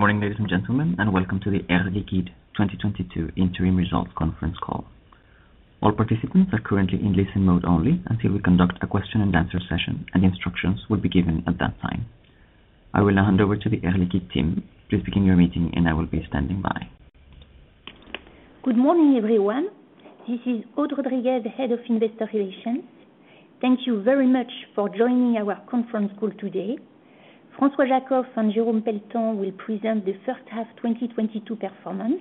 Morning, ladies and gentlemen, and welcome to the Air Liquide 2022 interim results conference call. All participants are currently in listen mode only until we conduct a question and answer session, and instructions will be given at that time. I will now hand over to the Air Liquide team. Please begin your meeting, and I will be standing by. Good morning, everyone. This is Aude Rodriguez, Head of Investor Relations. Thank you very much for joining our conference call today. François Jackow and Jérôme Pelletan will present the first half 2022 performance.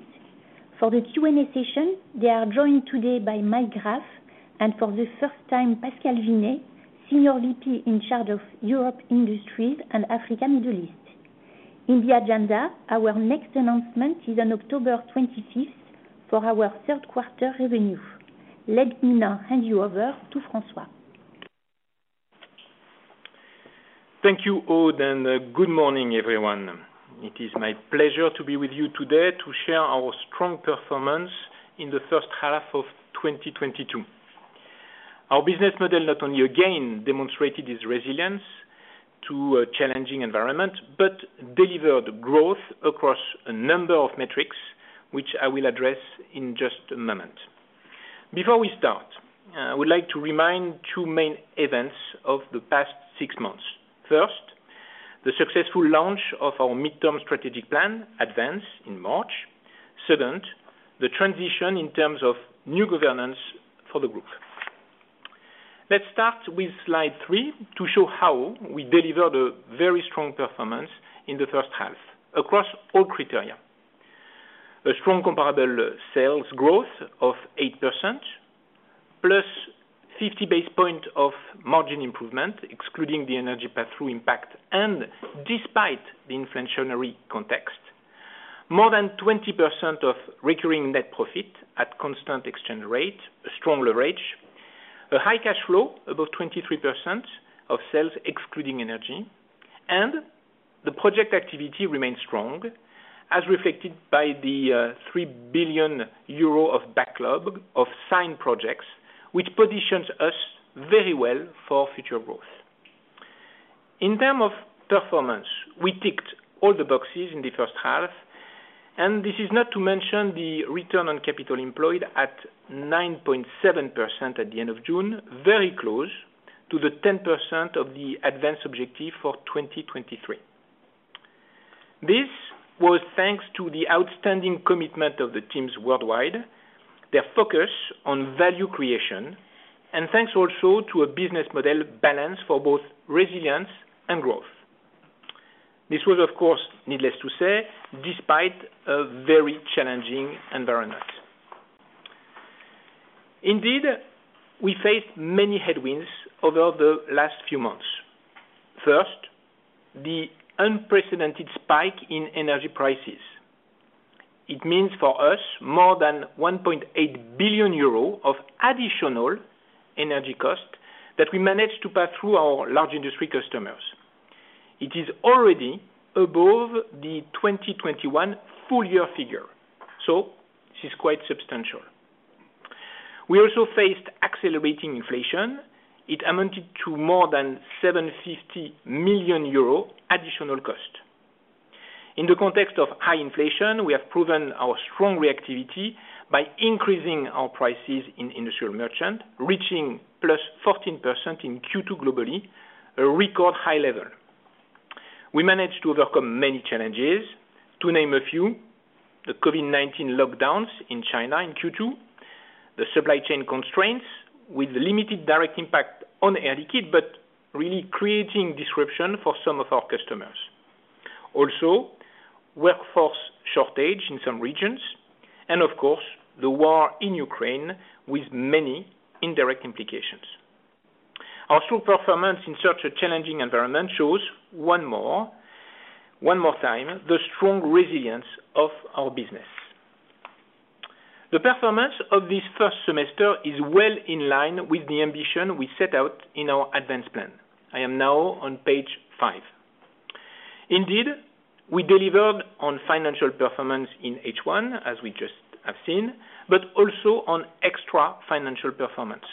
For the Q&A session, they are joined today by Mike Graff and, for the first time, Pascal Vinet, Senior VP in charge of Europe Industries and Africa, Middle East. In the agenda, our next announcement is on October 25 for our third quarter revenue. Let me now hand you over to François. Thank you, Aude, and good morning, everyone. It is my pleasure to be with you today to share our strong performance in the first half of 2022. Our business model not only again demonstrated its resilience to a challenging environment but delivered growth across a number of metrics, which I will address in just a moment. Before we start, I would like to remind two main events of the past six months. First, the successful launch of our midterm strategic plan, ADVANCE, in March. Second, the transition in terms of new governance for the group. Let's start with slide three to show how we delivered a very strong performance in the first half across all criteria. A strong comparable sales growth of 8%, plus 50 basis points of margin improvement, excluding the energy pass-through impact, and despite the inflationary context. More than 20% of recurring net profit at constant exchange rate. Strong leverage. A high cash flow, above 23% of sales, excluding energy. The project activity remains strong, as reflected by the 3 billion euro of backlog of signed projects, which positions us very well for future growth. In terms of performance, we ticked all the boxes in the first half, and this is not to mention the return on capital employed at 9.7% at the end of June, very close to the 10% of the ADVANCE objective for 2023. This was thanks to the outstanding commitment of the teams worldwide, their focus on value creation, and thanks also to a business model balanced for both resilience and growth. This was, of course, needless to say, despite a very challenging environment. Indeed, we faced many headwinds over the last few months. First, the unprecedented spike in energy prices. It means for us more than 1.8 billion euros of additional energy costs that we managed to pass through our large industry customers. It is already above the 2021 full year figure, so this is quite substantial. We also faced accelerating inflation. It amounted to more than 750 million euro additional cost. In the context of high inflation, we have proven our strong reactivity by increasing our prices in Industrial Merchant, reaching +14% in Q2 globally, a record high level. We managed to overcome many challenges. To name a few, the COVID-19 lockdowns in China in Q2, the supply chain constraints, with limited direct impact on Air Liquide, but really creating disruption for some of our customers. Also, workforce shortage in some regions, and of course, the war in Ukraine with many indirect implications. Our strong performance in such a challenging environment shows one more time the strong resilience of our business. The performance of this first semester is well in line with the ambition we set out in our ADVANCE plan. I am now on page five. Indeed, we delivered on financial performance in H1, as we just have seen, but also on extra-financial performance.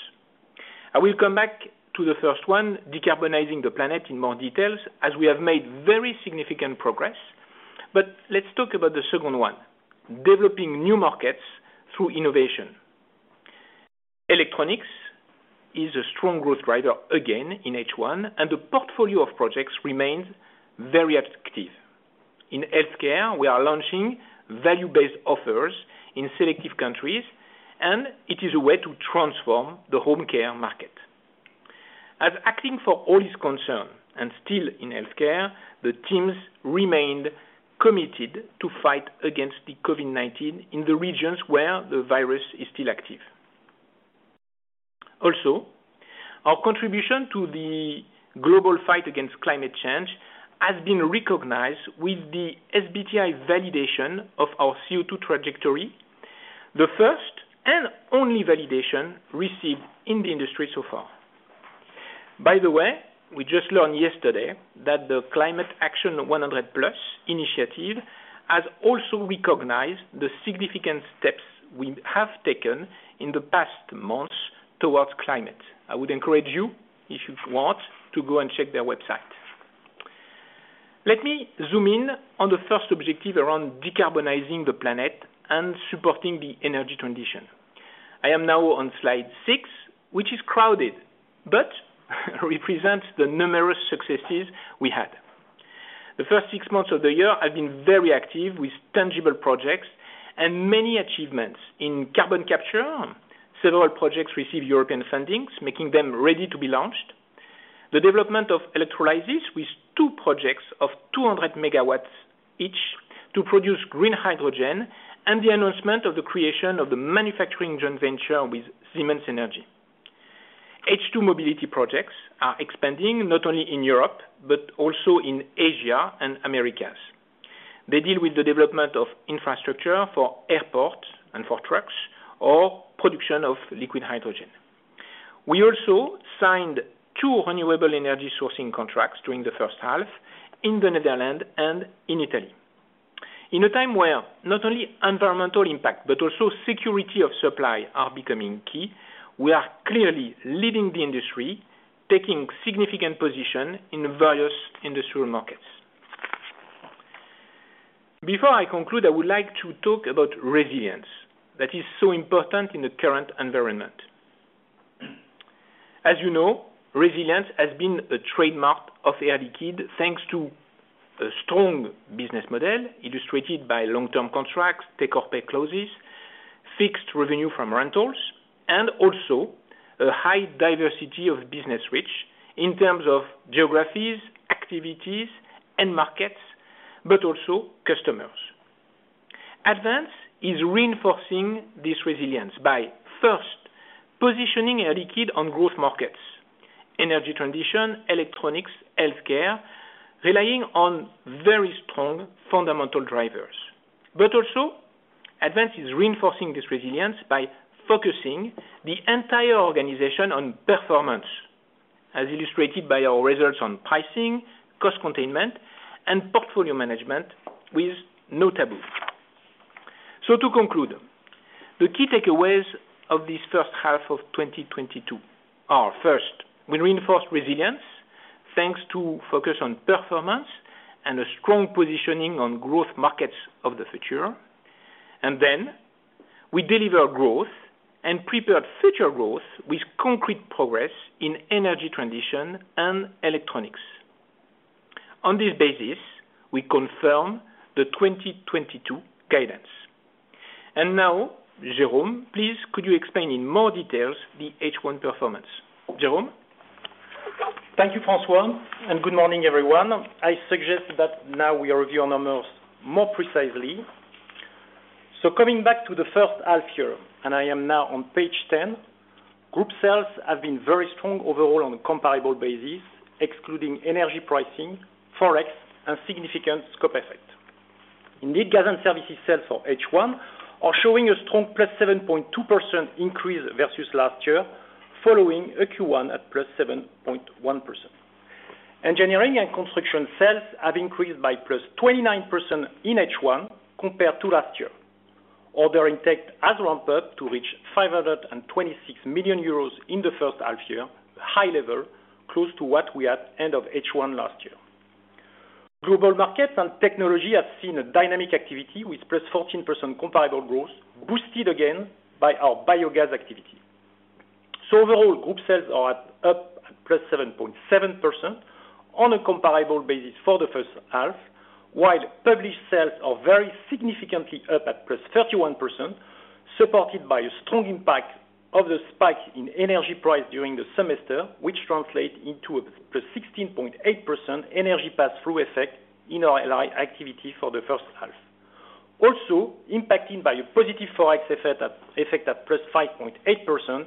I will come back to the first one, decarbonizing the planet, in more details, as we have made very significant progress, but let's talk about the second one, developing new markets through innovation. Electronics is a strong growth driver again in H1, and the portfolio of projects remains very attractive. In healthcare, we are launching value-based offers in selective countries, and it is a way to transform the home care market. As Acting for All is concerned, and still in healthcare, the teams remained committed to fight against the COVID-19 in the regions where the virus is still active. Also, our contribution to the global fight against climate change has been recognized with the SBTi validation of our CO2 trajectory, the first and only validation received in the industry so far. By the way, we just learned yesterday that the Climate Action 100+ initiative has also recognized the significant steps we have taken in the past months. Toward climate. I would encourage you, if you want, to go and check their website. Let me zoom in on the first objective around decarbonizing the planet and supporting the energy transition. I am now on slide 6, which is crowded, but represents the numerous successes we had. The first six months of the year have been very active with tangible projects and many achievements. In carbon capture, several projects received European funding, making them ready to be launched. The development of electrolysis with two projects of 200 MW each to produce green hydrogen, and the announcement of the creation of the manufacturing joint venture with Siemens Energy. H2 mobility projects are expanding not only in Europe, but also in Asia and Americas. They deal with the development of infrastructure for airports and for trucks or production of liquid hydrogen. We also signed two renewable energy sourcing contracts during the first half in the Netherlands and in Italy. In a time where not only environmental impact, but also security of supply are becoming key, we are clearly leading the industry, taking significant position in various industrial markets. Before I conclude, I would like to talk about resilience that is so important in the current environment. As you know, resilience has been a trademark of Air Liquide, thanks to a strong business model illustrated by long-term contracts, take or pay clauses, fixed revenue from rentals, and also a high diversity of business reach in terms of geographies, activities and markets, but also customers. Advance is reinforcing this resilience by, first, positioning Air Liquide on growth markets, energy transition, electronics, healthcare, relying on very strong fundamental drivers. Advance is reinforcing this resilience by focusing the entire organization on performance, as illustrated by our results on pricing, cost containment, and portfolio management with no taboo. To conclude, the key takeaways of this first half of 2022 are, first, we reinforce resilience thanks to focus on performance and a strong positioning on growth markets of the future. We deliver growth and prepare future growth with concrete progress in energy transition and electronics. On this basis, we confirm the 2022 guidance. Now, Jérôme, please could you explain in more details the H1 performance. Jérôme? Thank you, François, and good morning everyone. I suggest that now we review our numbers more precisely. Coming back to the first half year, and I am now on page 10, Group sales have been very strong overall on a comparable basis, excluding energy pricing, Forex, and significant scope effect. Indeed, gas and services sales for H1 are showing a strong +7.2% increase versus last year, following a Q1 at +7.1%. Engineering & Construction sales have increased by +29% in H1 compared to last year. Order intake has ramped up to reach 526 million euros in the first half year, high level, close to what we had end of H1 last year. Global Markets & Technologies has seen a dynamic activity with +14% comparable growth, boosted again by our biogas activity. Overall, group sales are up at +7.7% on a comparable basis for the first half, while published sales are very significantly up at +31%, supported by a strong impact of the spike in energy price during the semester, which translate into a +16.8% energy pass-through effect in our LI activity for the first half. Also impacted by a positive Forex effect at +5.8%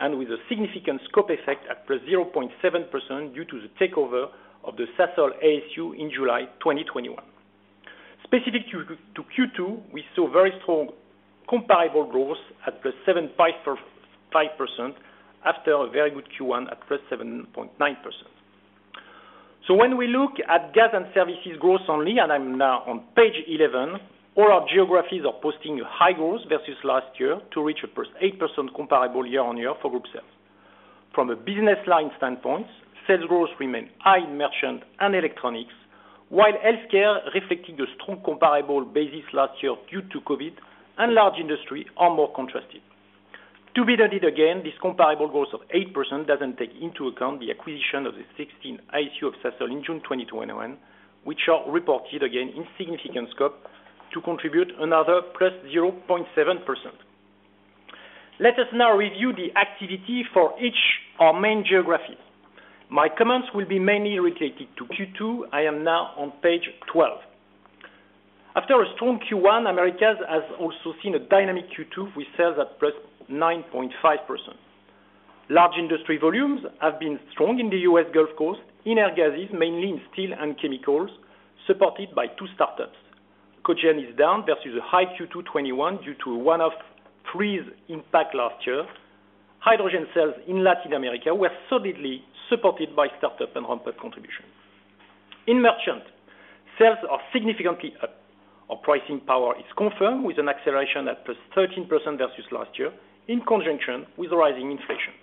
and with a significant scope effect at +0.7% due to the takeover of the Sasol ASU in July 2021. Specific to Q2, we saw very strong comparable growth at +7.5% after a very good Q1 at +7.9%. When we look at gas and services growth only, and I'm now on page 11, all our geographies are posting high growth versus last year to reach a +8% comparable year-on-year for group sales. From a business line standpoint, sales growth remain high in merchant and electronics, while healthcare reflecting a strong comparable basis last year due to COVID and Large Industries are more contrasted. To be noted again, this comparable growth of 8% doesn't take into account the acquisition of the 16 ASU of Sasol in June 2021, which are reported again in significant scope to contribute another +0.7%. Let us now review the activity for each of our main geographies. My comments will be mainly related to Q2. I am now on page 12. After a strong Q1, Americas has also seen a dynamic Q2 with sales at +9.5%. Large industry volumes have been strong in the US Gulf Coast, in air gases, mainly in steel and chemicals, supported by two startups. Cogen is down versus a high Q2 2021 due to Winter Storm Uri's impact last year. Hydrogen sales in Latin America were solidly supported by startup and ramped contribution. In merchant, sales are significantly up. Our pricing power is confirmed with an acceleration at +13% versus last year in conjunction with rising inflation.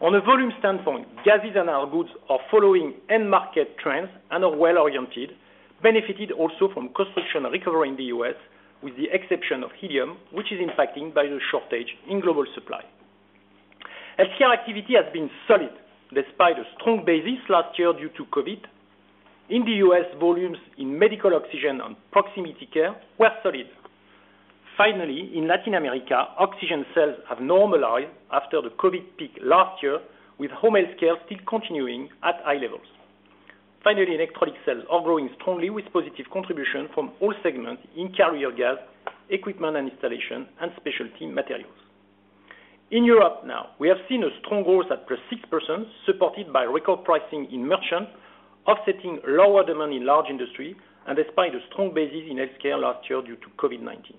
On a volume standpoint, gases and hardgoods are following end market trends and are well oriented, benefited also from construction recovering in the US with the exception of helium, which is impacted by the shortage in global supply. Healthcare activity has been solid despite a strong basis last year due to COVID-19. In the U.S., volumes in medical oxygen and proximity care were solid. Finally, in Latin America, oxygen sales have normalized after the COVID-19 peak last year, with home healthcare still continuing at high levels. Finally, electronic sales are growing strongly with positive contribution from all segments in carrier gas, equipment and installation, and specialty materials. In Europe now, we have seen a strong growth at +6% supported by record pricing in merchant, offsetting lower demand in large industry and despite a strong basis in scale last year due to COVID-19.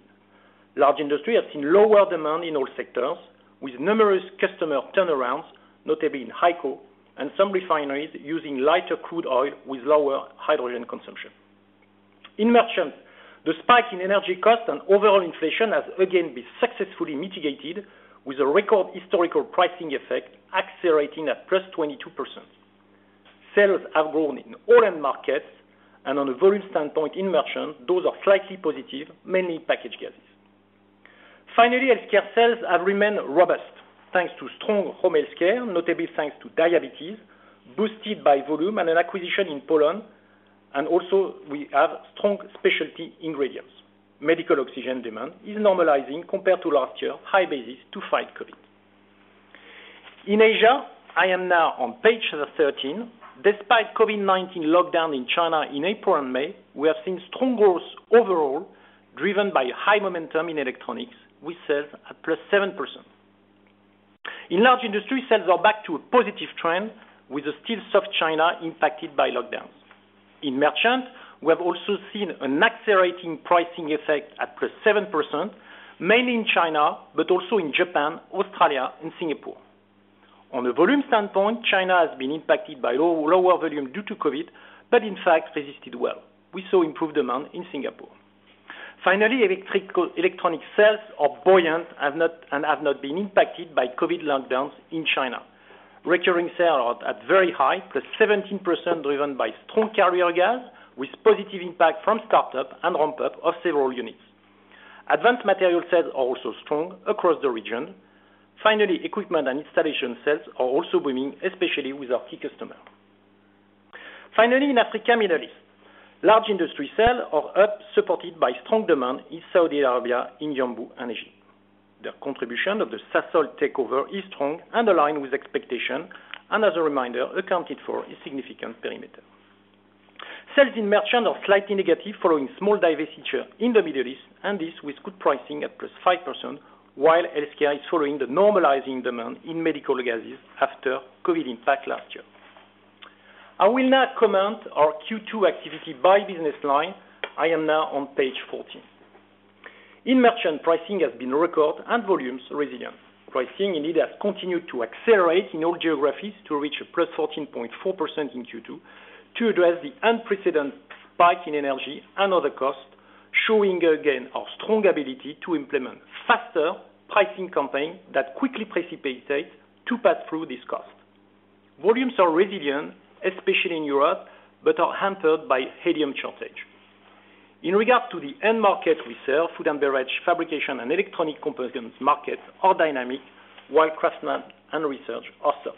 Large industry has seen lower demand in all sectors with numerous customer turnarounds, notably in HYCO and some refineries using lighter crude oil with lower hydrogen consumption. In merchant, the spike in energy cost and overall inflation has again been successfully mitigated with a record historical pricing effect accelerating at +22%. Sales have grown in all end markets and on a volume standpoint in merchant, those are slightly positive, mainly packaged gases. Finally, healthcare sales have remained robust thanks to strong home healthcare, notably thanks to diabetes, boosted by volume and an acquisition in Poland, and also we have strong specialty ingredients. Medical oxygen demand is normalizing compared to last year high basis to fight COVID-19. In Asia, I am now on page 13. Despite COVID-19 lockdown in China in April and May, we have seen strong growth overall, driven by high momentum in electronics with sales at +7%. In large industry, sales are back to a positive trend with a still soft China impacted by lockdowns. In merchant, we have also seen an accelerating pricing effect at +7%, mainly in China but also in Japan, Australia and Singapore. On a volume standpoint, China has been impacted by lower volume due to COVID-19, but in fact resisted well. We saw improved demand in Singapore. Finally, electronics sales are buoyant and have not been impacted by COVID-19 lockdowns in China. Recurring sales are at very high +17% driven by strong carrier gas with positive impact from start up and ramp up of several units. Advanced material sales are also strong across the region. Finally, equipment and installation sales are also booming, especially with our key customer. Finally, in Africa, Middle East, large industry sales are up, supported by strong demand in Saudi Arabia, in Yanbu and Egypt. The contribution of the Sasol takeover is strong and aligned with expectation, and as a reminder, accounted for a significant perimeter. Sales in merchant are slightly negative following small divestiture in the Middle East, and this with good pricing at +5%, while healthcare is following the normalizing demand in medical gases after COVID-19 impact last year. I will now comment our Q2 activity by business line. I am now on page 14. In merchant, pricing has been record and volumes resilient. Pricing indeed has continued to accelerate in all geographies to reach a +14.4% in Q2 to address the unprecedented spike in energy and other costs, showing again our strong ability to implement faster pricing campaign that quickly precipitate to pass through this cost. Volumes are resilient, especially in Europe, but are hampered by helium shortage. In regard to the end market we serve, food and beverage, fabrication and electronic components markets are dynamic, while craftsman and research are soft.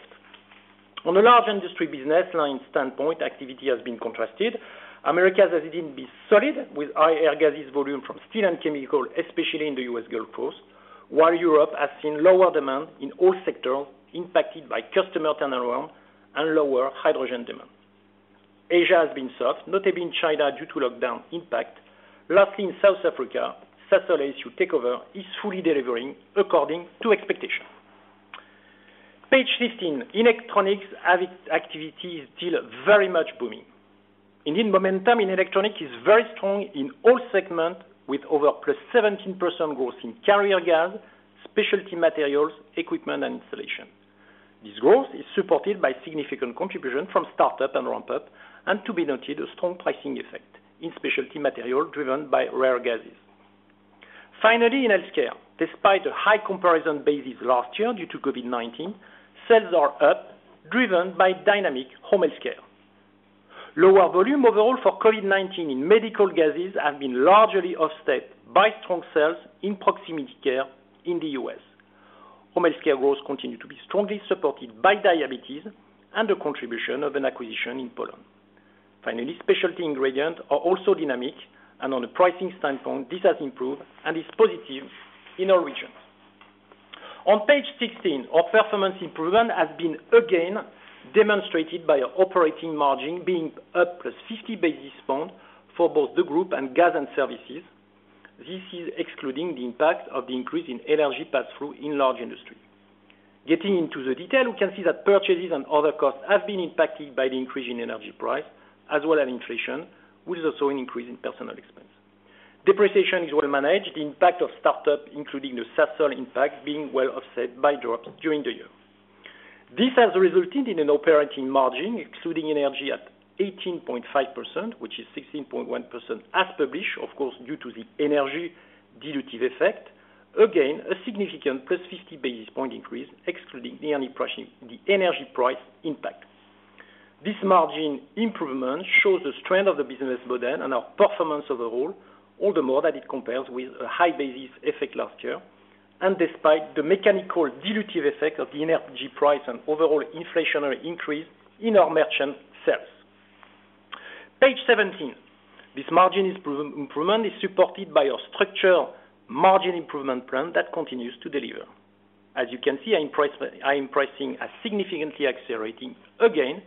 On a large industry business line standpoint, activity has been contrasted. Americas has indeed been solid with high air gases volume from steel and chemical, especially in the U.S. Gulf Coast, while Europe has seen lower demand in all sectors impacted by customer turnaround and lower hydrogen demand. Asia has been soft, notably in China due to lockdown impact. Lastly, in South Africa, Sasol ASU takeover is fully delivering according to expectation. Page 15. In electronics, activity is still very much booming. Indeed, momentum in electronics is very strong in all segments with over +17% growth in carrier gas, specialty materials, equipment and installation. This growth is supported by significant contribution from start up and ramp up, and to be noted, a strong pricing effect in specialty material driven by rare gases. Finally, in healthcare, despite a high comparison basis last year due to COVID-19, sales are up, driven by dynamic home healthcare. Lower volume overall for COVID-19 in medical gases have been largely offset by strong sales in proximity care in the US. Home healthcare growth continue to be strongly supported by diabetes and the contribution of an acquisition in Poland. Finally, specialty ingredients are also dynamic and on a pricing standpoint, this has improved and is positive in all regions. On page 16, our performance improvement has been again demonstrated by our operating margin being up +50 basis points for both the group and Gas & Services. This is excluding the impact of the increase in energy pass-through in Large Industries. Getting into the detail, we can see that purchases and other costs have been impacted by the increase in energy price as well as inflation, with also an increase in personnel expense. Depreciation is well managed, the impact of startup, including the Sasol impact being well offset by disposals during the year. This has resulted in an operating margin excluding energy at 18.5%, which is 16.1% as published, of course, due to the energy dilutive effect. Again, a significant +50 basis point increase excluding the only pricing, the energy price impact. This margin improvement shows the strength of the business model and our performance overall, all the more that it compares with a high basis effect last year and despite the mechanical dilutive effect of the energy price and overall inflationary increase in our merchant sales. Page seventeen. This margin improvement is supported by our structural margin improvement plan that continues to deliver. As you can see, pricing is significantly accelerating again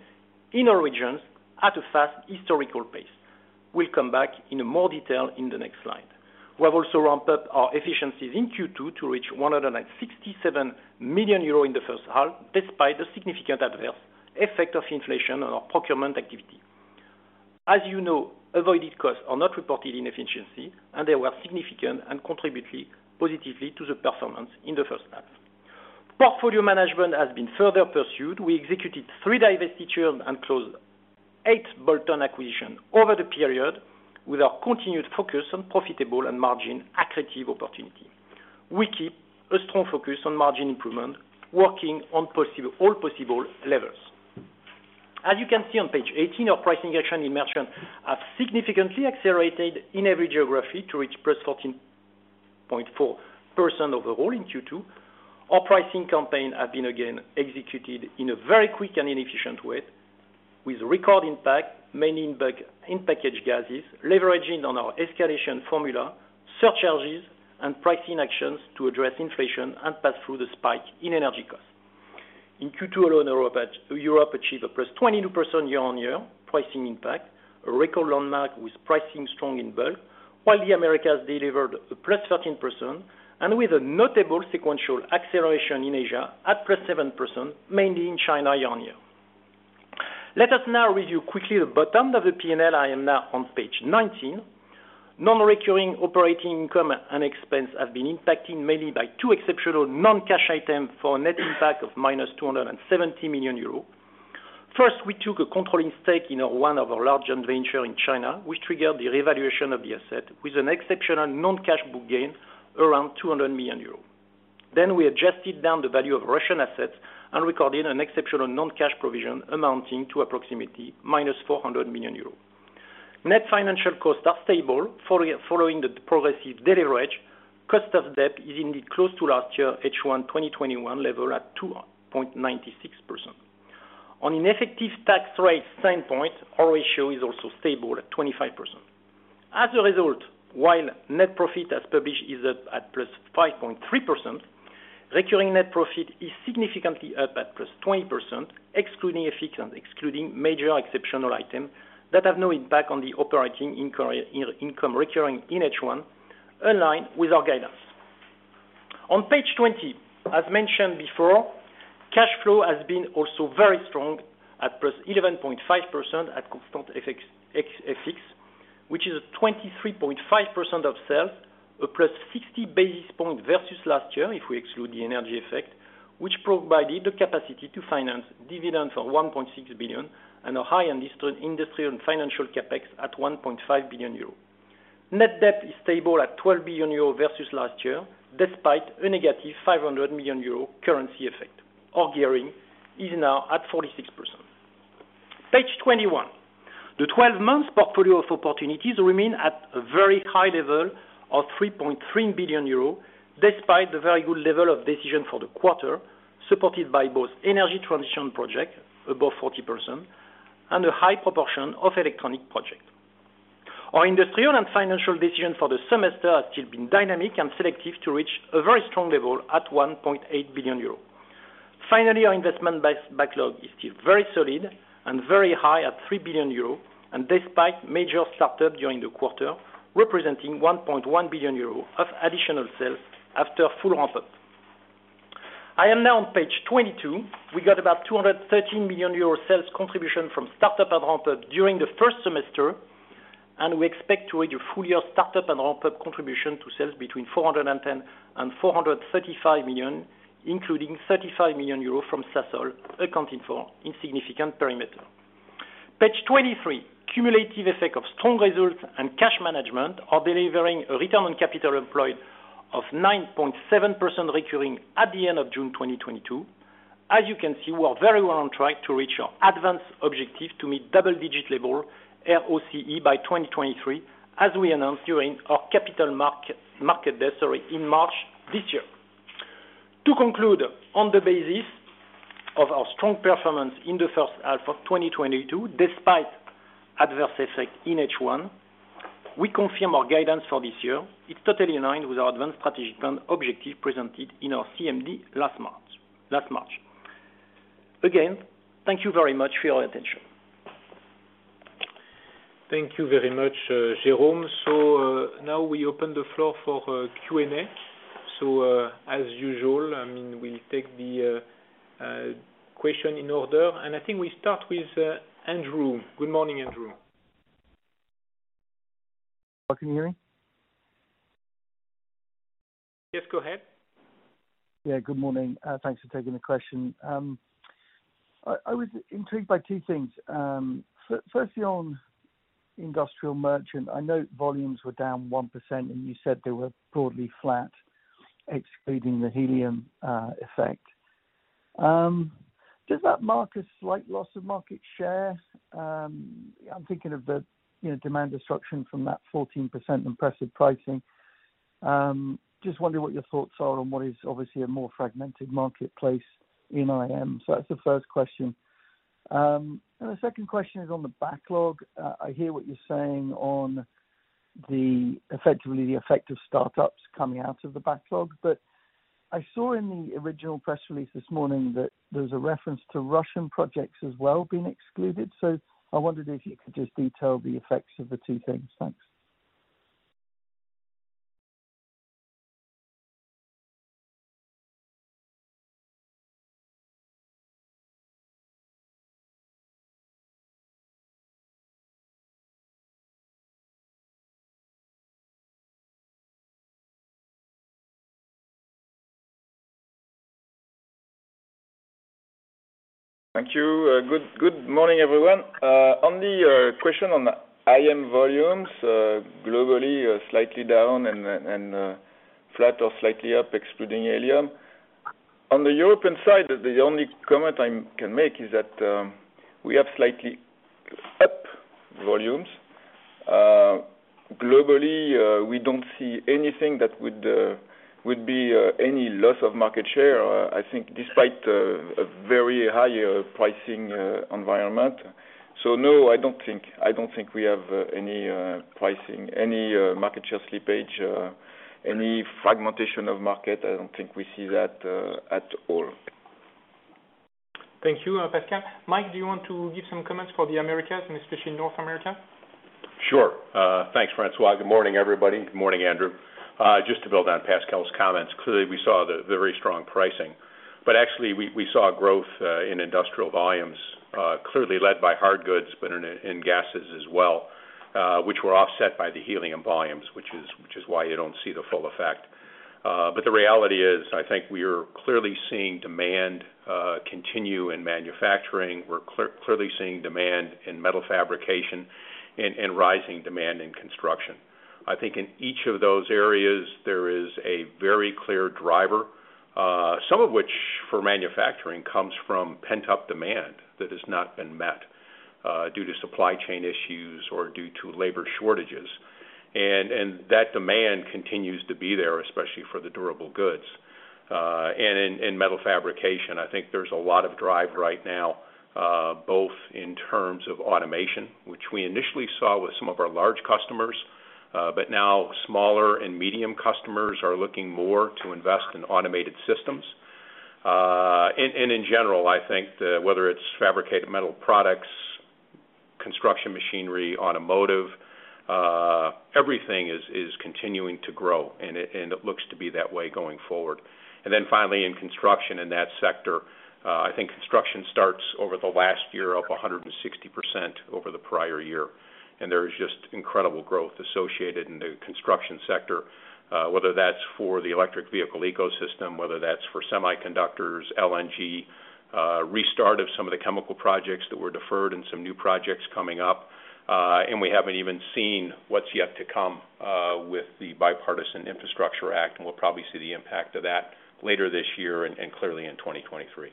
in our regions at a fast historical pace. We'll come back in more detail in the next slide. We have also ramped up our efficiencies in Q2 to reach 167 million euros in the first half, despite the significant adverse effect of inflation on our procurement activity. As you know, avoided costs are not reported in efficiency, and they were significant and contributed positively to the performance in the first half. Portfolio management has been further pursued. We executed three divestitures and closed eight bolt-on acquisitions over the period with our continued focus on profitable and margin accretive opportunities. We keep a strong focus on margin improvement, working on all possible levels. As you can see on page 18, our pricing action in Merchant has significantly accelerated in every geography to reach +14.4% overall in Q2. Our pricing campaign has been again executed in a very quick and efficient way with record impact, mainly in packaged gases, leveraging on our escalation formula, surcharges and pricing actions to address inflation and pass through the spike in energy costs. In Q2 alone, Europe achieved a +22% year-on-year pricing impact, a record landmark with pricing strong in bulk, while the Americas delivered a +13% and with a notable sequential acceleration in Asia at +7%, mainly in China year-on-year. Let us now review quickly the bottom of the P&L. I am now on page 19. Non-recurring operating income and expense have been impacted mainly by two exceptional non-cash items for a net impact of -270 million euros. First, we took a controlling stake in one of our large venture in China, which triggered the revaluation of the asset with an exceptional non-cash book gain around 200 million euros. We adjusted down the value of Russian assets and recorded an exceptional non-cash provision amounting to approximately -400 million euros. Net financial costs are stable following the progressive deleverage. Cost of debt is indeed close to last year H1 2021 level at 2.96%. On an effective tax rate standpoint, our ratio is also stable at 25%. As a result, while net profit as published is up at +5.3%, recurring net profit is significantly up at +20%, excluding FX and excluding major exceptional items that have no impact on the operating income recurring in H1, in line with our guidance. On page 20, as mentioned before, cash flow has been also very strong at +11.5% at constant FX, which is a 23.5% upside, +60 basis points versus last year if we exclude the energy effect, which provided the capacity to finance dividends of 1.6 billion and a high and industrial and financial CapEx at 1.5 billion euro. Net debt is stable at 12 billion euro versus last year, despite a negative 500 million euro currency effect. Our gearing is now at 46%. Page 21. The 12-month portfolio of opportunities remains at a very high level of 3.3 billion euros, despite the very good level of decisions for the quarter, supported by both energy transition projects, above 40%, and a high proportion of electronics projects. Our industrial and financial decisions for the semester have still been dynamic and selective to reach a very strong level at 1.8 billion euro. Finally, our investment backlog is still very solid and very high at 3 billion euro, and despite major start-ups during the quarter, representing 1.1 billion euro of additional sales after full ramp-up. I am now on page 22. We got about 213 million euro sales contribution from startup and ramp up during the first semester, and we expect to reach a full year startup and ramp up contribution to sales between 410 million and 435 million, including 35 million euros from Sasol accounting for insignificant perimeter. Page 23. Cumulative effect of strong results and cash management are delivering a return on capital employed of 9.7% recurring at the end of June 2022. As you can see, we are very well on track to reach our advanced objective to meet double-digit level ROCE by 2023, as we announced during our capital markets day, sorry, in March this year. To conclude, on the basis of our strong performance in the first half of 2022, despite adverse effect in H1, we confirm our guidance for this year. It's totally in line with our ADVANCE strategic plan objective presented in our CMD last month, last March. Again, thank you very much for your attention. Thank you very much, Jerome. Now we open the floor for Q&A. As usual, I mean, we'll take the question in order, and I think we start with Andrew. Good morning, Andrew. Can you hear me? Yes, go ahead. Yeah, good morning. Thanks for taking the question. I was intrigued by two things. Firstly on Industrial Merchant, I know volumes were down 1%, and you said they were broadly flat excluding the helium effect. Does that mark a slight loss of market share? I'm thinking of the, you know, demand disruption from that 14% impressive pricing. Just wondering what your thoughts are on what is obviously a more fragmented marketplace in IM. That's the first question. And the second question is on the backlog. I hear what you're saying on the effect of startups coming out of the backlog. I saw in the original press release this morning that there's a reference to Russian projects as well being excluded. I wondered if you could just detail the effects of the two things. Thanks. Thank you. Good morning, everyone. On the question on IM volumes, globally, slightly down and flat or slightly up excluding helium. On the European side, the only comment I can make is that we have slightly up volumes. Globally, we don't see anything that would be any loss of market share, I think despite a very high pricing environment. No, I don't think we have any pricing, any market share slippage, any fragmentation of market. I don't think we see that at all. Thank you, Pascal. Mike, do you want to give some comments for the Americas and especially North America? Sure. Thanks, François. Good morning, everybody. Good morning, Andrew. Just to build on Pascal's comments, clearly we saw the very strong pricing, but actually we saw growth in industrial volumes, clearly led by hard goods, but in gases as well, which were offset by the Helium volumes, which is why you don't see the full effect. The reality is, I think we're clearly seeing demand continue in manufacturing. We're clearly seeing demand in metal fabrication and rising demand in construction. I think in each of those areas, there is a very clear driver, some of which for manufacturing comes from pent-up demand that has not been met due to supply chain issues or due to labor shortages. That demand continues to be there, especially for the durable goods. In metal fabrication, I think there's a lot of drive right now, both in terms of automation, which we initially saw with some of our large customers, but now smaller and medium customers are looking more to invest in automated systems. In general, I think that whether it's fabricated metal products, construction machinery, automotive, everything is continuing to grow and it looks to be that way going forward. Then finally, in construction, in that sector, I think construction starts over the last year, up 160% over the prior year. There is just incredible growth associated in the construction sector, whether that's for the electric vehicle ecosystem, whether that's for semiconductors, LNG, restart of some of the chemical projects that were deferred and some new projects coming up. We haven't even seen what's yet to come with the Bipartisan Infrastructure Law, and we'll probably see the impact of that later this year and clearly in 2023.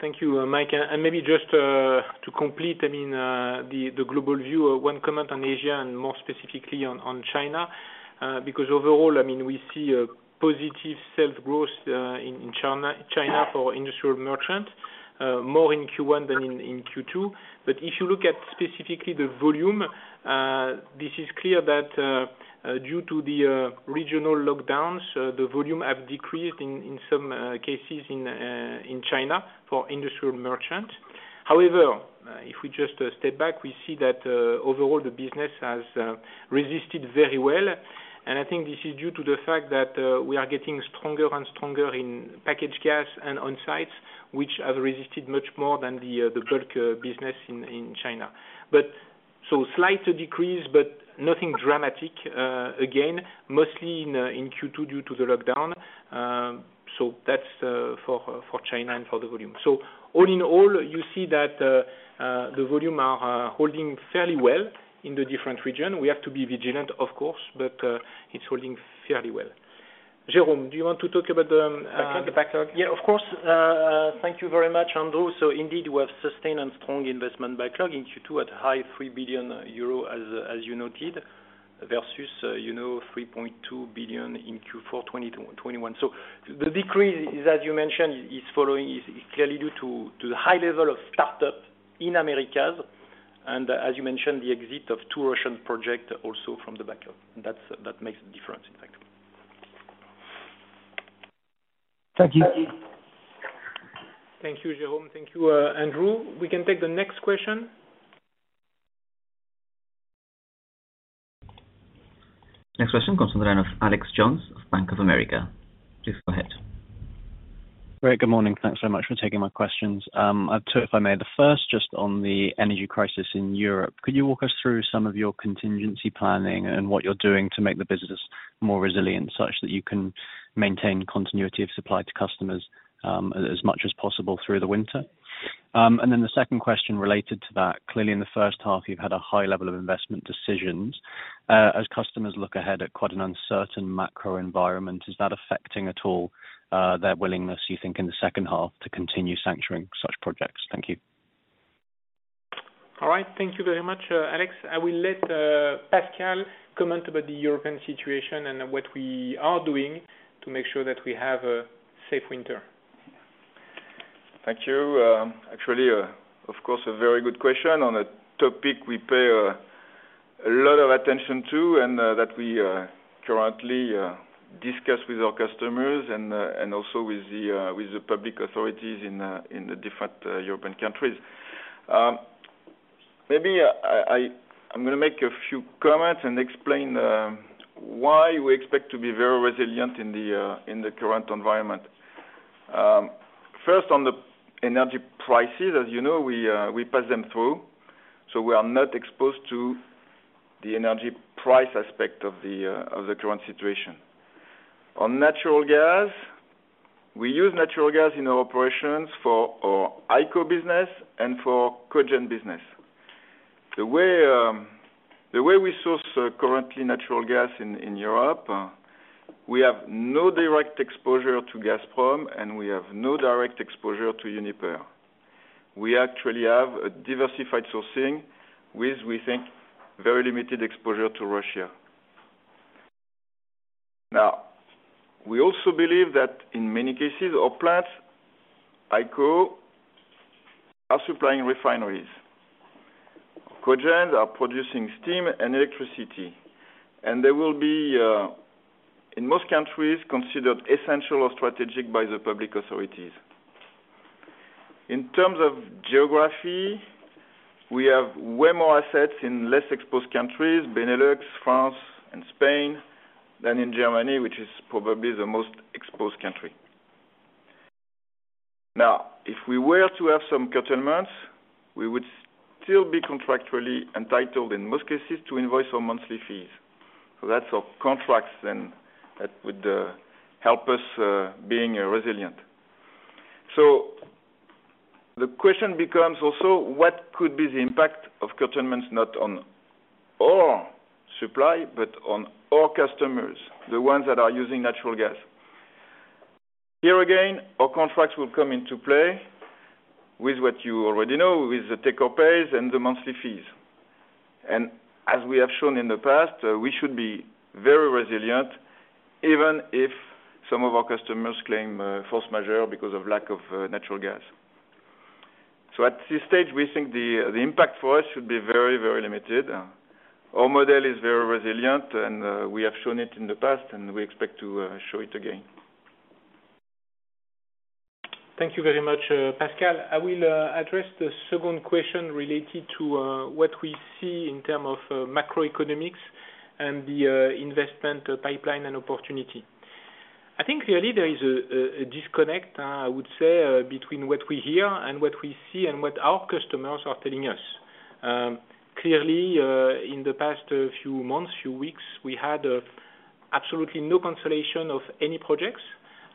Thank you, Mike. Maybe just to complete, I mean, the global view, one comment on Asia and more specifically on China, because overall, I mean, we see a positive sales growth in China for Industrial Merchant, more in Q1 than in Q2. If you look at specifically the volume, this is clear that due to the regional lockdowns, the volume have decreased in some cases in China for Industrial Merchant. However, if we just step back, we see that overall the business has resisted very well. I think this is due to the fact that we are getting stronger and stronger in packaged gas and onsites which have resisted much more than the bulk business in China. Slight decrease, but nothing dramatic, again, mostly in Q2 due to the lockdown. That's for China and for the volume. All in all, you see that the volume are holding fairly well in the different region. We have to be vigilant, of course, but it's holding fairly well. Jérôme, do you want to talk about the? The backlog? Yeah, of course. Thank you very much, Andrew. Indeed, we have sustained and strong investment backlog in Q2 at high 3 billion euro as you noted, versus, you know, 3.2 billion in Q4 2021. The decrease, as you mentioned, is clearly due to the high level of startup in Americas, and as you mentioned, the exit of two Russian projects also from the backlog. That makes a difference in fact. Thank you. Thank you, Jérôme. Thank you, Andrew. We can take the next question. Next question comes on the line of Alex Stewart of Bank of America. Please go ahead. Great. Good morning. Thanks so much for taking my questions. I have two if I may. The first just on the energy crisis in Europe, could you walk us through some of your contingency planning and what you're doing to make the business more resilient, such that you can maintain continuity of supply to customers, as much as possible through the winter? The second question related to that, clearly in the first half, you've had a high level of investment decisions. As customers look ahead at quite an uncertain macro environment, is that affecting at all, their willingness, you think, in the second half to continue sanctioning such projects? Thank you. All right. Thank you very much, Alex. I will let Pascal comment about the European situation and what we are doing to make sure that we have a safe winter. Thank you. Actually, of course, a very good question on a topic we pay a lot of attention to and that we currently discuss with our customers and also with the public authorities in the different European countries. Maybe I'm gonna make a few comments and explain why we expect to be very resilient in the current environment. First on the energy prices, as you know, we pass them through, so we are not exposed to the energy price aspect of the current situation. On natural gas, we use natural gas in our operations for our HYCO business and for Cogen business. The way we source currently natural gas in Europe, we have no direct exposure to Gazprom, and we have no direct exposure to Uniper. We actually have a diversified sourcing with, we think, very limited exposure to Russia. Now, we also believe that in many cases, our plants, HYCO, are supplying refineries. Cogen are producing steam and electricity, and they will be in most countries, considered essential or strategic by the public authorities. In terms of geography, we have way more assets in less exposed countries, Benelux, France, and Spain, than in Germany, which is probably the most exposed country. Now, if we were to have some curtailments, we would still be contractually entitled, in most cases, to invoice our monthly fees. That's our contracts then that would help us being resilient. The question becomes also what could be the impact of curtailments, not on our supply, but on our customers, the ones that are using natural gas. Here again, our contracts will come into play with what you already know, with the take or pays and the monthly fees. As we have shown in the past, we should be very resilient, even if some of our customers claim force majeure because of lack of natural gas. At this stage, we think the impact for us should be very, very limited. Our model is very resilient, and we have shown it in the past and we expect to show it again. Thank you very much, Pascal. I will address the second question related to what we see in terms of macroeconomics and the investment pipeline and opportunity. I think clearly there is a disconnect, I would say, between what we hear and what we see and what our customers are telling us. Clearly, in the past few months, few weeks, we had absolutely no cancellation of any projects.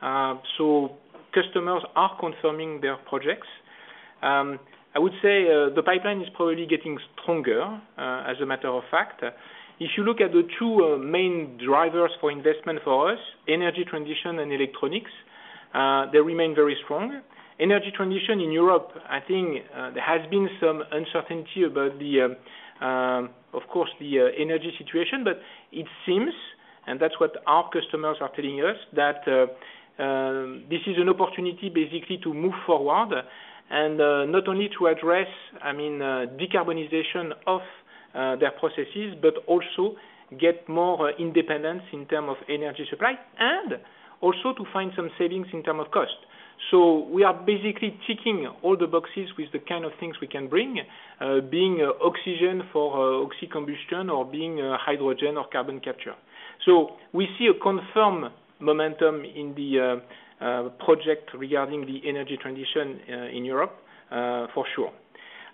Customers are confirming their projects. I would say the pipeline is probably getting stronger, as a matter of fact. If you look at the two main drivers for investment for us, energy transition and electronics, they remain very strong. Energy transition in Europe, I think, there has been some uncertainty about the energy situation, but it seems, and that's what our customers are telling us, that this is an opportunity basically to move forward and not only to address, I mean, decarbonization of their processes, but also get more independence in terms of energy supply and also to find some savings in terms of cost. We are basically ticking all the boxes with the kind of things we can bring, being oxygen for oxycombustion or being hydrogen or carbon capture. We see a confirmed momentum in the project regarding the energy transition in Europe, for sure.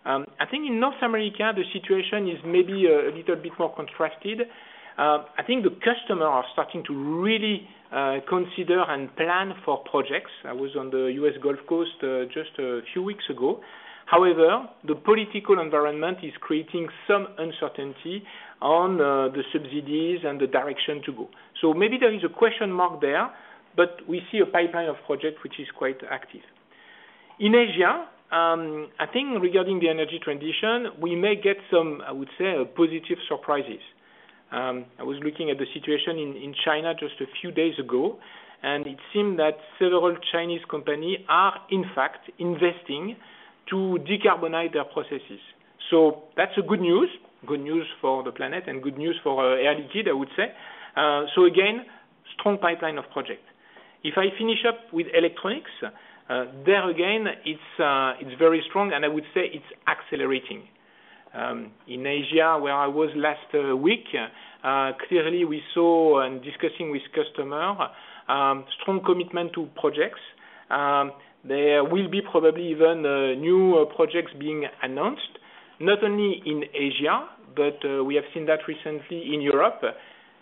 I think in North America, the situation is maybe a little bit more contrasted. I think the customers are starting to really consider and plan for projects. I was on the U.S. Gulf Coast just a few weeks ago. However, the political environment is creating some uncertainty on the subsidies and the direction to go. Maybe there is a question mark there, but we see a pipeline of projects which is quite active. In Asia, I think regarding the energy transition, we may get some, I would say, positive surprises. I was looking at the situation in China just a few days ago, and it seemed that several Chinese companies are in fact investing to decarbonize their processes. That's a good news, good news for the planet and good news for Air Liquide, I would say. Again, strong pipeline of projects. If I finish up with electronics, there again, it's very strong, and I would say it's accelerating. In Asia, where I was last week, clearly we saw and discussing with customer, strong commitment to projects. There will be probably even new projects being announced, not only in Asia, but we have seen that recently in Europe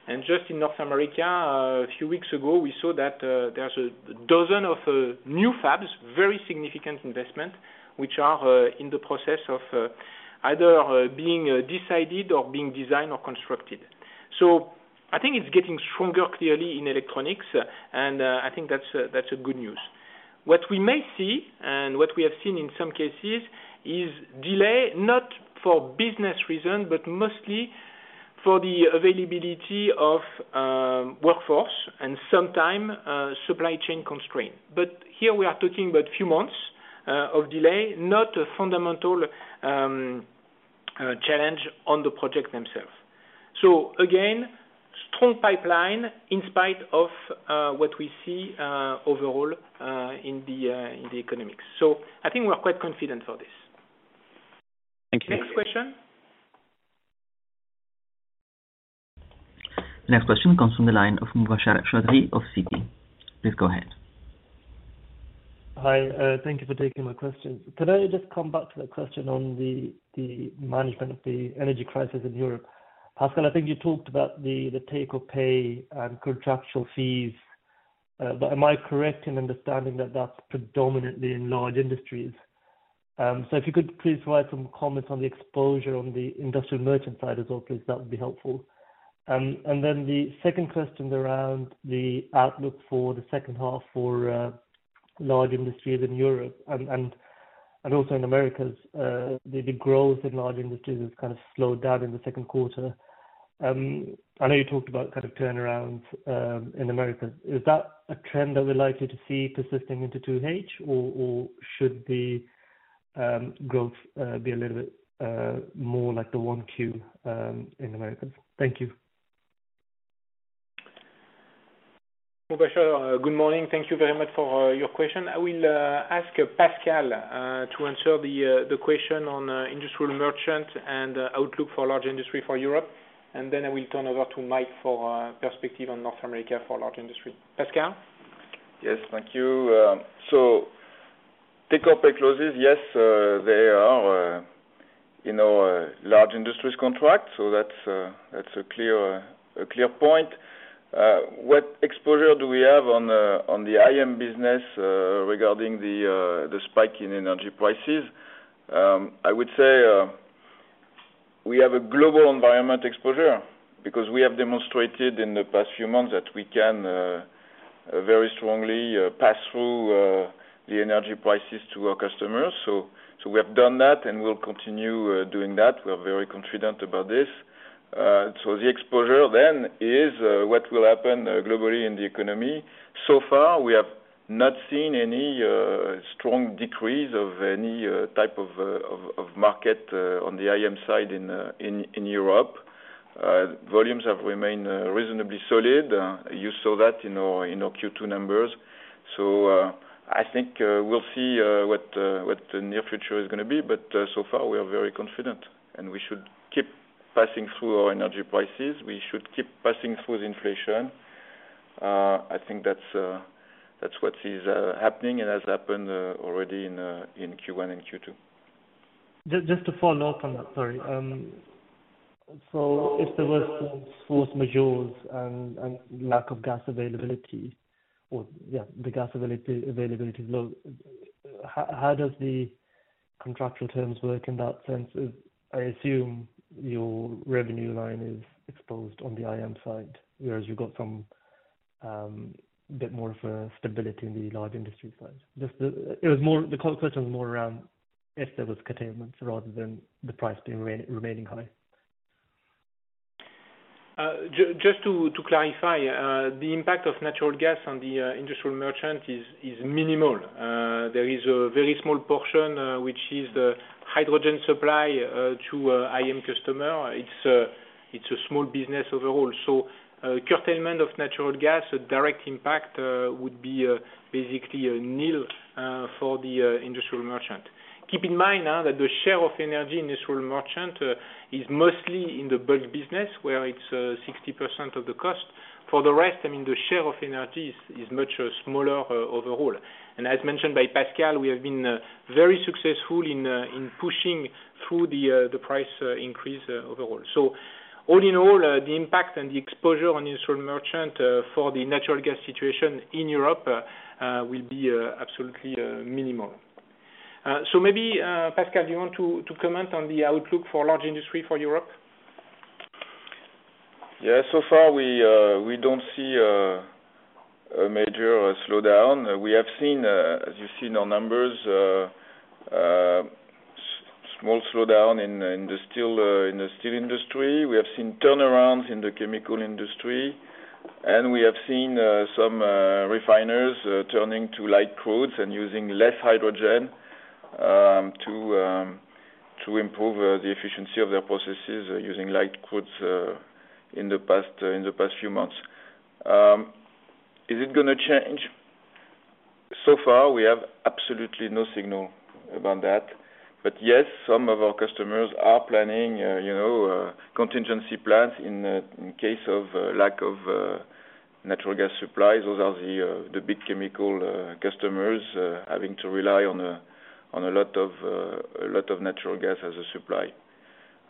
and just in North America. A few weeks ago, we saw that, there's a dozen of new fabs, very significant investment, which are in the process of either being decided or being designed or constructed. I think it's getting stronger, clearly in electronics, and I think that's a good news. What we may see and what we have seen in some cases is delay, not for business reasons, but mostly for the availability of workforce and sometimes supply chain constraints. Here we are talking about few months of delay, not a fundamental challenge to the projects themselves. Again, strong pipeline in spite of what we see overall in the economics. I think we're quite confident for this. Thank you. Next question. Next question comes from the line of Mubashir Chaudhry of Citi. Please go ahead. Hi. Thank you for taking my question. Could I just come back to the question on the management of the energy crisis in Europe? Pascal, I think you talked about the take or pay and contractual fees, but am I correct in understanding that that's predominantly in Large Industries? So if you could please provide some comments on the exposure on the Industrial Merchant side as well, please that would be helpful. And then the second question is around the outlook for the second half for large industries in Europe and also in Americas. The growth in large industries has kind of slowed down in the second quarter. I know you talked about kind of turnarounds in America. Is that a trend that we're likely to see persisting into 2H, or should the growth be a little bit more like the 1Q in America? Thank you. Mubashir, good morning. Thank you very much for your question. I will ask Pascal to answer the question on industrial merchant and outlook for large industry for Europe, and then I will turn over to Mike for perspective on North America for large industry. Pascal. Yes, thank you. Take up the clauses. Yes, they are, you know, large industry contracts. That's a clear point. What exposure do we have on the IM business regarding the spike in energy prices? I would say, we have a global environment exposure because we have demonstrated in the past few months that we can very strongly pass through the energy prices to our customers. We have done that, and we'll continue doing that. We are very confident about this. The exposure then is what will happen globally in the economy. So far we have not seen any strong decrease of any type of market on the IM side in Europe. Volumes have remained reasonably solid. You saw that in our Q2 numbers. I think we'll see what the near future is gonna be. So far we are very confident, and we should keep passing through our energy prices. We should keep passing through the inflation. I think that's what is happening and has happened already in Q1 and Q2. Just to follow up on that. Sorry. So if there was force majeure and lack of gas availability or the gas availability is low, how does the contractual terms work in that sense? I assume your revenue line is exposed on the IM side, whereas you've got some bit more of a stability in the Large Industries side. The question was more around if there was curtailments rather than the price remaining high. Just to clarify, the impact of natural gas on the Industrial Merchant is minimal. There is a very small portion which is the hydrogen supply to IM customer. It's a small business overall. Curtailment of natural gas direct impact would be basically nil for the Industrial Merchant. Keep in mind now that the share of energy Industrial Merchant is mostly in the bulk business where it's 60% of the cost. For the rest, I mean, the share of energy is much smaller overall. As mentioned by Pascal, we have been very successful in pushing through the price increase overall. All in all, the impact and the exposure on Industrial Merchant for the natural gas situation in Europe will be absolutely minimal. Maybe, Pascal, do you want to comment on the outlook for Large Industry for Europe? Yeah. So far we don't see a major slowdown. We have seen, as you see in our numbers, Small slowdown in the steel industry. We have seen turnarounds in the chemical industry, and we have seen some refiners turning to light crudes and using less hydrogen to improve the efficiency of their processes, using light crudes in the past few months. Is it gonna change? So far, we have absolutely no signal about that. Yes, some of our customers are planning, you know, contingency plans in case of lack of natural gas supplies. Those are the big chemical customers having to rely on a lot of natural gas as a supply.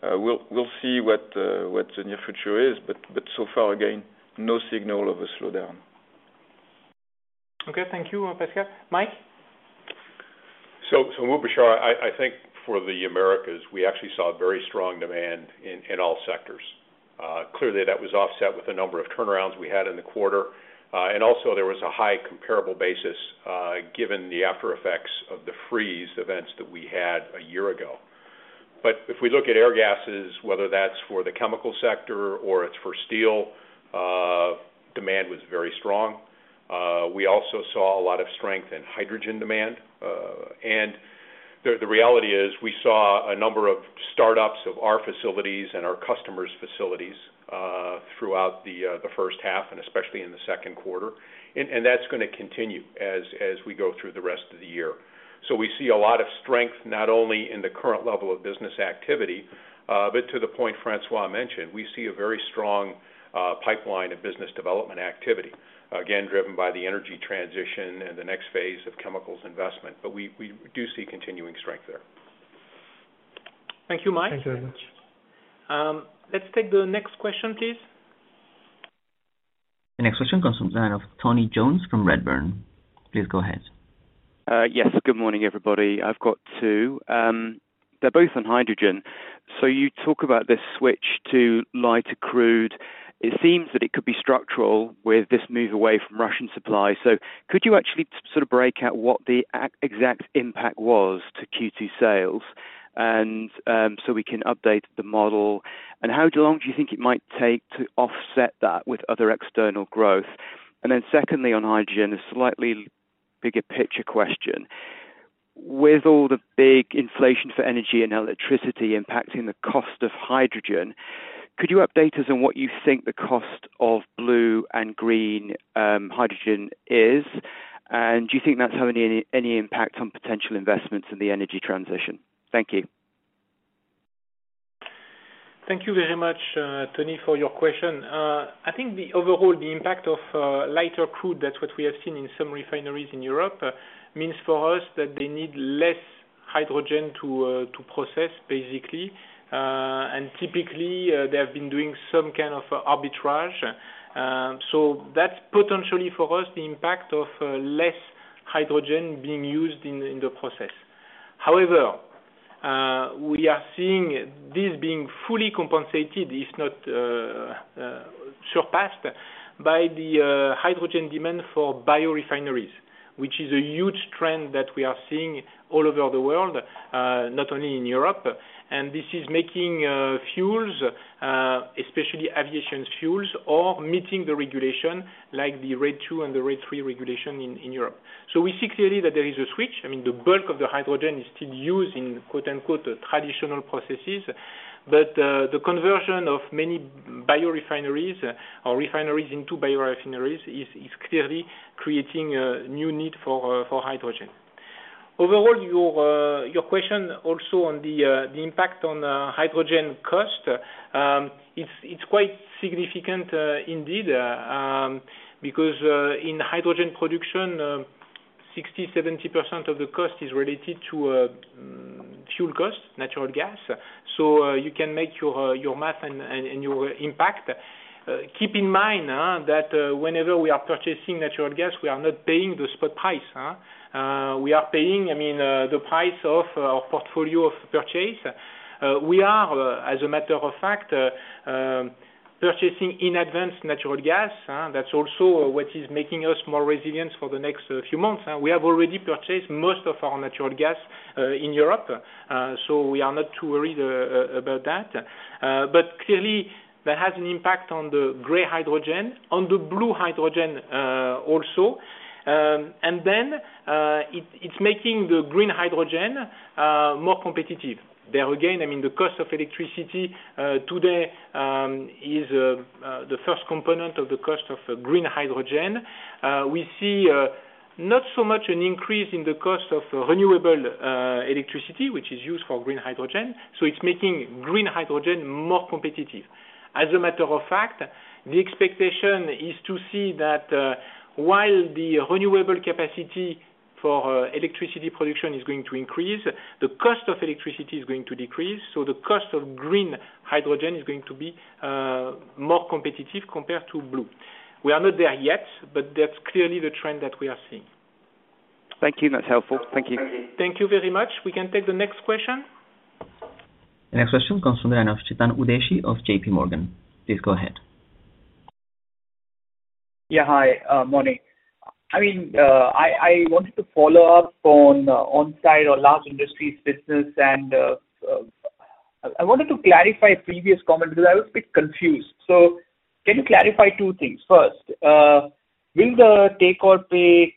We'll see what the near future is, but so far, again, no signal of a slowdown. Okay. Thank you, Pascal. Mike? Mubashir, I think for the Americas, we actually saw very strong demand in all sectors. Clearly that was offset with the number of turnarounds we had in the quarter. Also there was a high comparable basis, given the after effects of the freeze events that we had a year ago. If we look at air gases, whether that's for the chemical sector or it's for steel, demand was very strong. We also saw a lot of strength in hydrogen demand. The reality is we saw a number of startups of our facilities and our customers' facilities, throughout the first half and especially in the second quarter. That's gonna continue as we go through the rest of the year. We see a lot of strength, not only in the current level of business activity, but to the point François Jackow mentioned, we see a very strong pipeline of business development activity, again, driven by the energy transition and the next phase of chemicals investment. We do see continuing strength there. Thank you, Mike. Thanks very much. Let's take the next question, please. The next question comes from the line of Tony Jones from Redburn. Please go ahead. Good morning, everybody. I've got two. They're both on hydrogen. You talk about this switch to lighter crude. It seems that it could be structural with this move away from Russian supply. Could you actually sort of break out what the exact impact was to Q2 sales, so we can update the model? How long do you think it might take to offset that with other external growth? Secondly, on hydrogen, a slightly bigger picture question. With all the big inflation for energy and electricity impacting the cost of hydrogen, could you update us on what you think the cost of blue and green hydrogen is? Do you think that's having any impact on potential investments in the energy transition? Thank you. Thank you very much, Tony, for your question. I think the overall, the impact of, lighter crude, that's what we have seen in some refineries in Europe, means for us that they need less hydrogen to process basically. Typically, they have been doing some kind of arbitrage. That's potentially for us, the impact of, less hydrogen being used in the process. However, we are seeing this being fully compensated, if not, surpassed by the hydrogen demand for biorefineries, which is a huge trend that we are seeing all over the world, not only in Europe. This is making fuels, especially aviation fuels, or meeting the regulation like the RED II and the RED III regulation in Europe. We see clearly that there is a switch. I mean, the bulk of the hydrogen is still used in quote-unquote traditional processes. The conversion of many biorefineries or refineries into biorefineries is clearly creating a new need for hydrogen. Overall, your question also on the impact on hydrogen cost. It's quite significant, indeed, because in hydrogen production, 60%-70% of the cost is related to fuel costs, natural gas. You can make your math and your impact. Keep in mind that whenever we are purchasing natural gas, we are not paying the spot price. We are paying, I mean, the price of our portfolio of purchase. We are, as a matter of fact, purchasing in advance natural gas. That's also what is making us more resilient for the next few months. We have already purchased most of our natural gas in Europe, so we are not too worried about that. Clearly that has an impact on the gray hydrogen, on the blue hydrogen, also. It's making the green hydrogen more competitive. There again, I mean, the cost of electricity today is the first component of the cost of green hydrogen. We see not so much an increase in the cost of renewable electricity, which is used for green hydrogen, so it's making green hydrogen more competitive. As a matter of fact, the expectation is to see that, while the renewable capacity for electricity production is going to increase, the cost of electricity is going to decrease, so the cost of green hydrogen is going to be more competitive compared to blue. We are not there yet, but that's clearly the trend that we are seeing. Thank you. That's helpful. Thank you. Thank you very much. We can take the next question. The next question comes from the line of Chetan Udeshi of JP Morgan. Please go ahead. Hi, morning. I mean, I wanted to follow up on onsite or Large Industries business, and I wanted to clarify a previous comment because I was a bit confused. Can you clarify two things? First, will the take or pay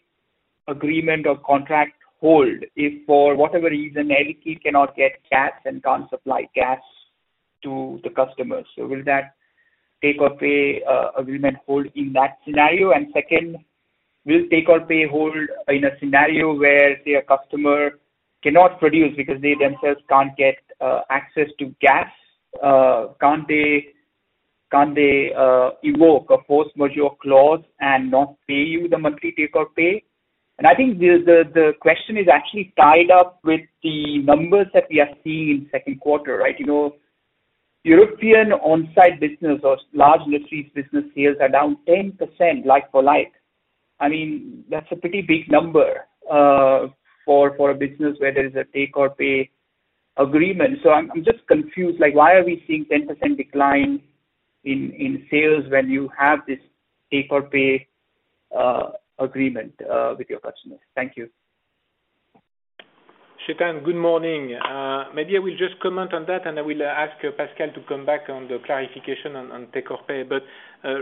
agreement or contract hold if for whatever reason, Air Liquide cannot get gas and can't supply gas to the customers? Will that take or pay agreement hold in that scenario? And second, will take or pay hold in a scenario where say, a customer cannot produce because they themselves can't get access to gas? Can't they evoke a force majeure clause and not pay you the monthly take or pay? I think the question is actually tied up with the numbers that we are seeing in second quarter, right? You know, European on-site business or large industries business sales are down 10% like for like. I mean, that's a pretty big number for a business where there is a take or pay agreement. I'm just confused, like why are we seeing 10% decline in sales when you have this take or pay agreement with your customers? Thank you. Chetan, good morning. Maybe I will just comment on that, and I will ask Pascal to come back on the clarification on take or pay.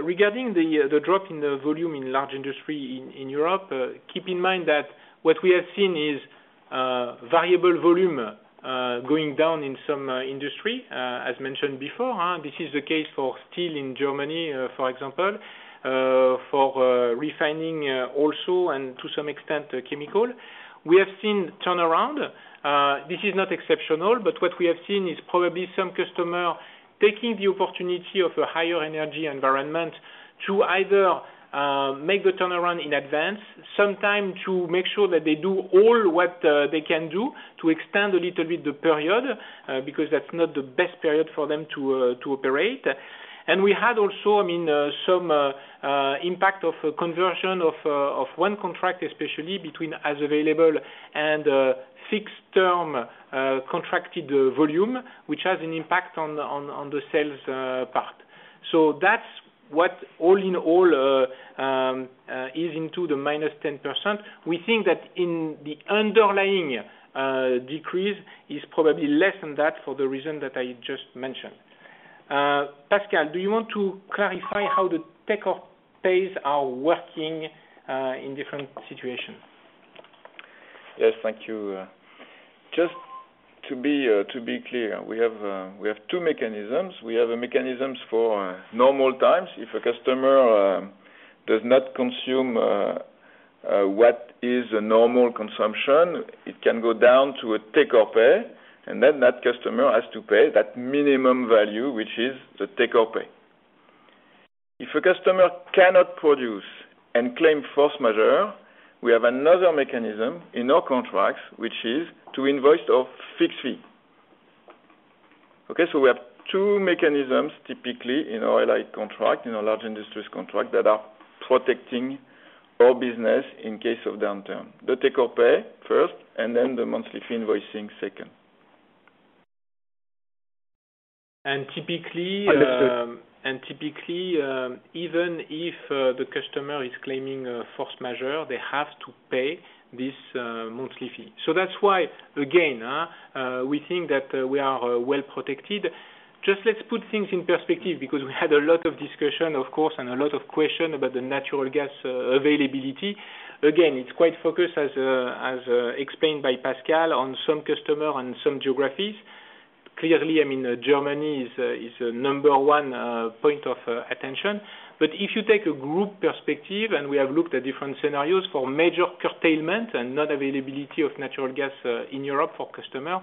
Regarding the drop in the volume in large industry in Europe, keep in mind that what we have seen is variable volume going down in some industry as mentioned before. This is the case for steel in Germany, for example, for refining also and to some extent chemical. We have seen turnaround. This is not exceptional, but what we have seen is probably some customer taking the opportunity of a higher energy environment to either make the turnaround in advance, sometimes to make sure that they do all what they can do to extend a little bit the period because that's not the best period for them to operate. We had also, I mean, some impact of a conversion of one contract, especially between as-available and fixed-term contracted volume, which has an impact on the sales part. That's what all in all is in the -10%. We think that in the underlying decrease is probably less than that for the reason that I just mentioned. Pascal, do you want to clarify how the take-or-pays are working in different situations? Yes, thank you. Just to be clear, we have two mechanisms. We have a mechanisms for normal times. If a customer does not consume what is a normal consumption, it can go down to a take or pay, and then that customer has to pay that minimum value, which is the take or pay. If a customer cannot produce and claim force majeure, we have another mechanism in our contracts which is to invoice a fixed fee. Okay. We have two mechanisms typically in our LI contract, in our large industries contract, that are protecting our business in case of downturn, the take or pay first, and then the monthly fee invoicing second. And typically, um- Understood. Typically, even if the customer is claiming force majeure, they have to pay this monthly fee. That's why again we think that we are well protected. Just let's put things in perspective because we had a lot of discussion, of course, and a lot of question about the natural gas availability. Again, it's quite focused as explained by Pascal on some customer and some geographies. Clearly, I mean, Germany is number one point of attention. If you take a group perspective, and we have looked at different scenarios for major curtailment and non-availability of natural gas in Europe for customer,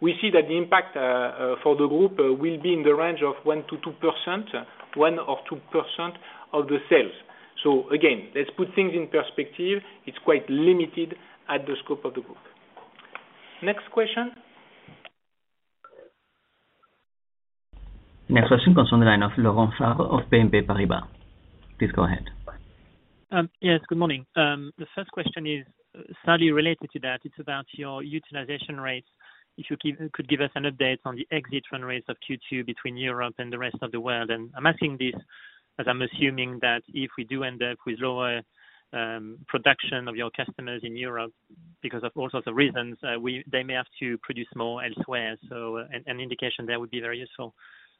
we see that the impact for the group will be in the range of 1%-2%, 1%-2% of the sales. Again, let's put things in perspective. It's quite limited at the scope of the group. Next question. Next question comes from the line of Laurent Favre of BNP Paribas. Please go ahead. Yes, good morning. The first question is slightly related to that. It's about your utilization rates. Could give us an update on the exit run rates of Q2 between Europe and the rest of the world. I'm asking this as I'm assuming that if we do end up with lower production of your customers in Europe because of all sorts of reasons, they may have to produce more elsewhere. An indication there would be very useful.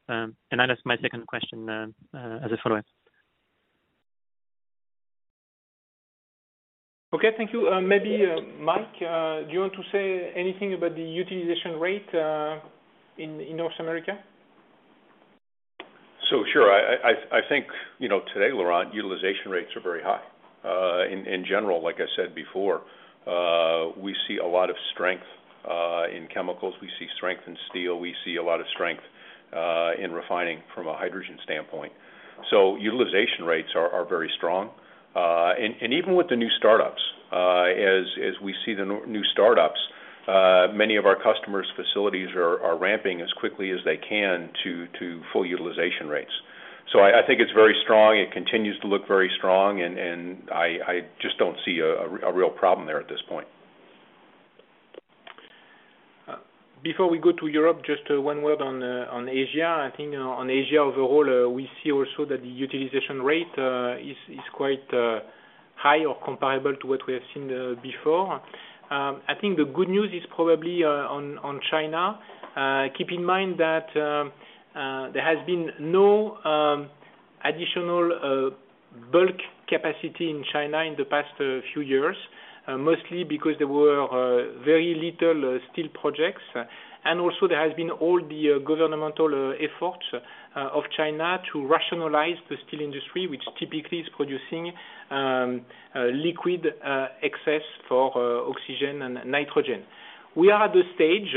I'll ask my second question as a follow-up. Okay, thank you. Maybe, Mike, do you want to say anything about the utilization rate in North America? Sure. I think you know today, Laurent, utilization rates are very high. In general, like I said before, we see a lot of strength in chemicals. We see strength in steel. We see a lot of strength in refining from a hydrogen standpoint. Utilization rates are very strong. Even with the new startups, as we see the new startups, many of our customers' facilities are ramping as quickly as they can to full utilization rates. I think it's very strong. It continues to look very strong and I just don't see a real problem there at this point. Before we go to Europe, just one word on Asia. I think on Asia overall, we see also that the utilization rate is quite high or comparable to what we have seen before. I think the good news is probably on China. Keep in mind that there has been no additional bulk capacity in China in the past few years, mostly because there were very little steel projects. Also there has been all the governmental efforts of China to rationalize the steel industry, which typically is producing liquid excess of Oxygen and Nitrogen. We are at the stage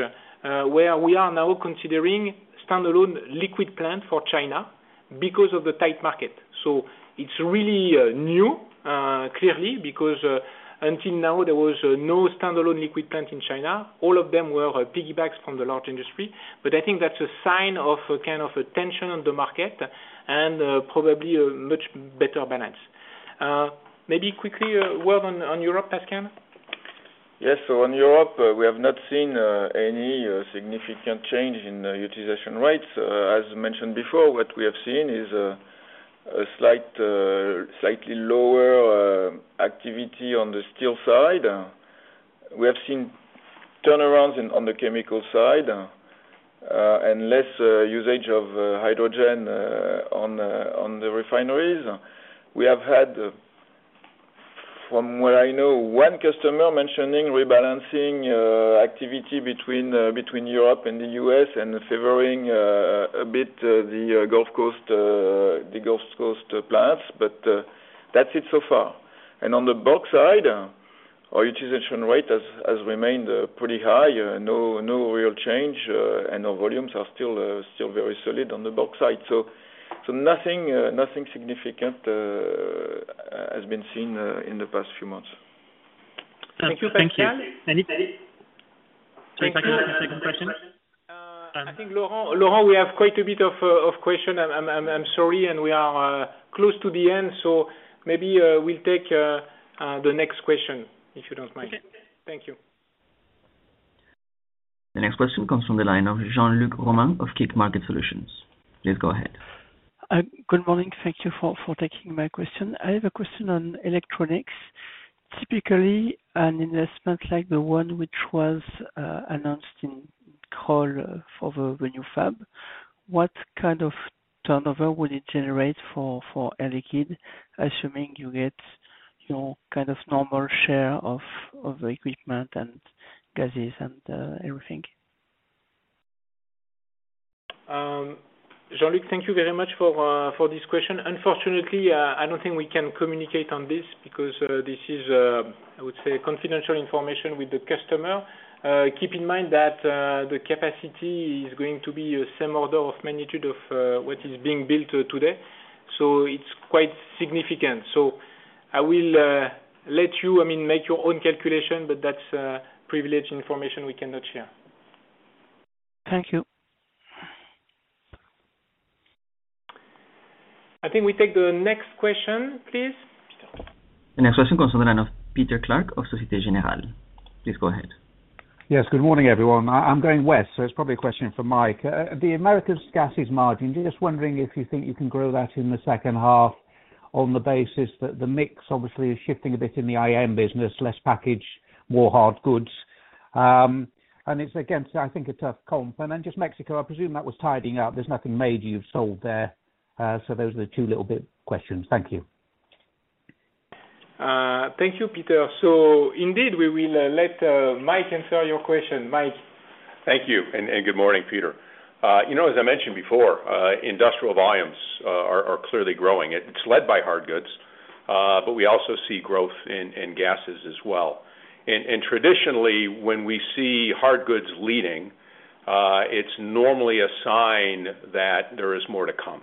where we are now considering standalone liquid plant for China because of the tight market. It's really new, clearly, because until now there was no standalone liquid plant in China. All of them were piggybacks from the large industry. I think that's a sign of a kind of a tension on the market and probably a much better balance. Maybe quickly word on Europe, Pascal. Yes. In Europe, we have not seen any significant change in the utilization rates. As mentioned before, what we have seen is a slightly lower activity on the steel side. We have seen turnarounds on the chemical side, and less usage of hydrogen on the refineries. We have had, from what I know, one customer mentioning rebalancing activity between Europe and the US, and favoring a bit the Gulf Coast plants, but that's it so far. On the bulk side, our utilization rate has remained pretty high. No real change, and our volumes are still very solid on the bulk side. Nothing significant has been seen in the past few months. Thank you, Pascal. Any second question? I think, Laurent, we have quite a bit of questions. I'm sorry. We are close to the end, so maybe we'll take the next question, if you don't mind. Thank you. The next question comes from the line of Jean-Luc Romain of CIC Market Solutions. Please go ahead. Good morning. Thank you for taking my question. I have a question on electronics. Typically, an investment like the one which was announced, Intel, for the new fab, what kind of turnover would it generate for Air Liquide, assuming you get your kind of normal share of the equipment and gases and everything? Jean-Luc, thank you very much for this question. Unfortunately, I don't think we can communicate on this because this is, I would say, confidential information with the customer. Keep in mind that the capacity is going to be a same order of magnitude of what is being built today, so it's quite significant. I will let you, I mean, make your own calculation, but that's privileged information we cannot share. Thank you. I think we take the next question, please. The next question comes from the line of Peter Clark of Société Générale. Please go ahead. Yes. Good morning, everyone. I'm going west, so it's probably a question for Mike. The Americas gases margin, just wondering if you think you can grow that in the second half on the basis that the mix obviously is shifting a bit in the IM business, less package, more hard goods. It's against, I think, a tough comp. Just Mexico, I presume that was tidying up. There's nothing major you've sold there. Those are the two little bit questions. Thank you. Thank you, Peter. Indeed, we will let Mike answer your question. Mike? Thank you. Good morning, Peter. You know, as I mentioned before, industrial volumes are clearly growing. It's led by hard goods, but we also see growth in gases as well. Traditionally, when we see hard goods leading, it's normally a sign that there is more to come.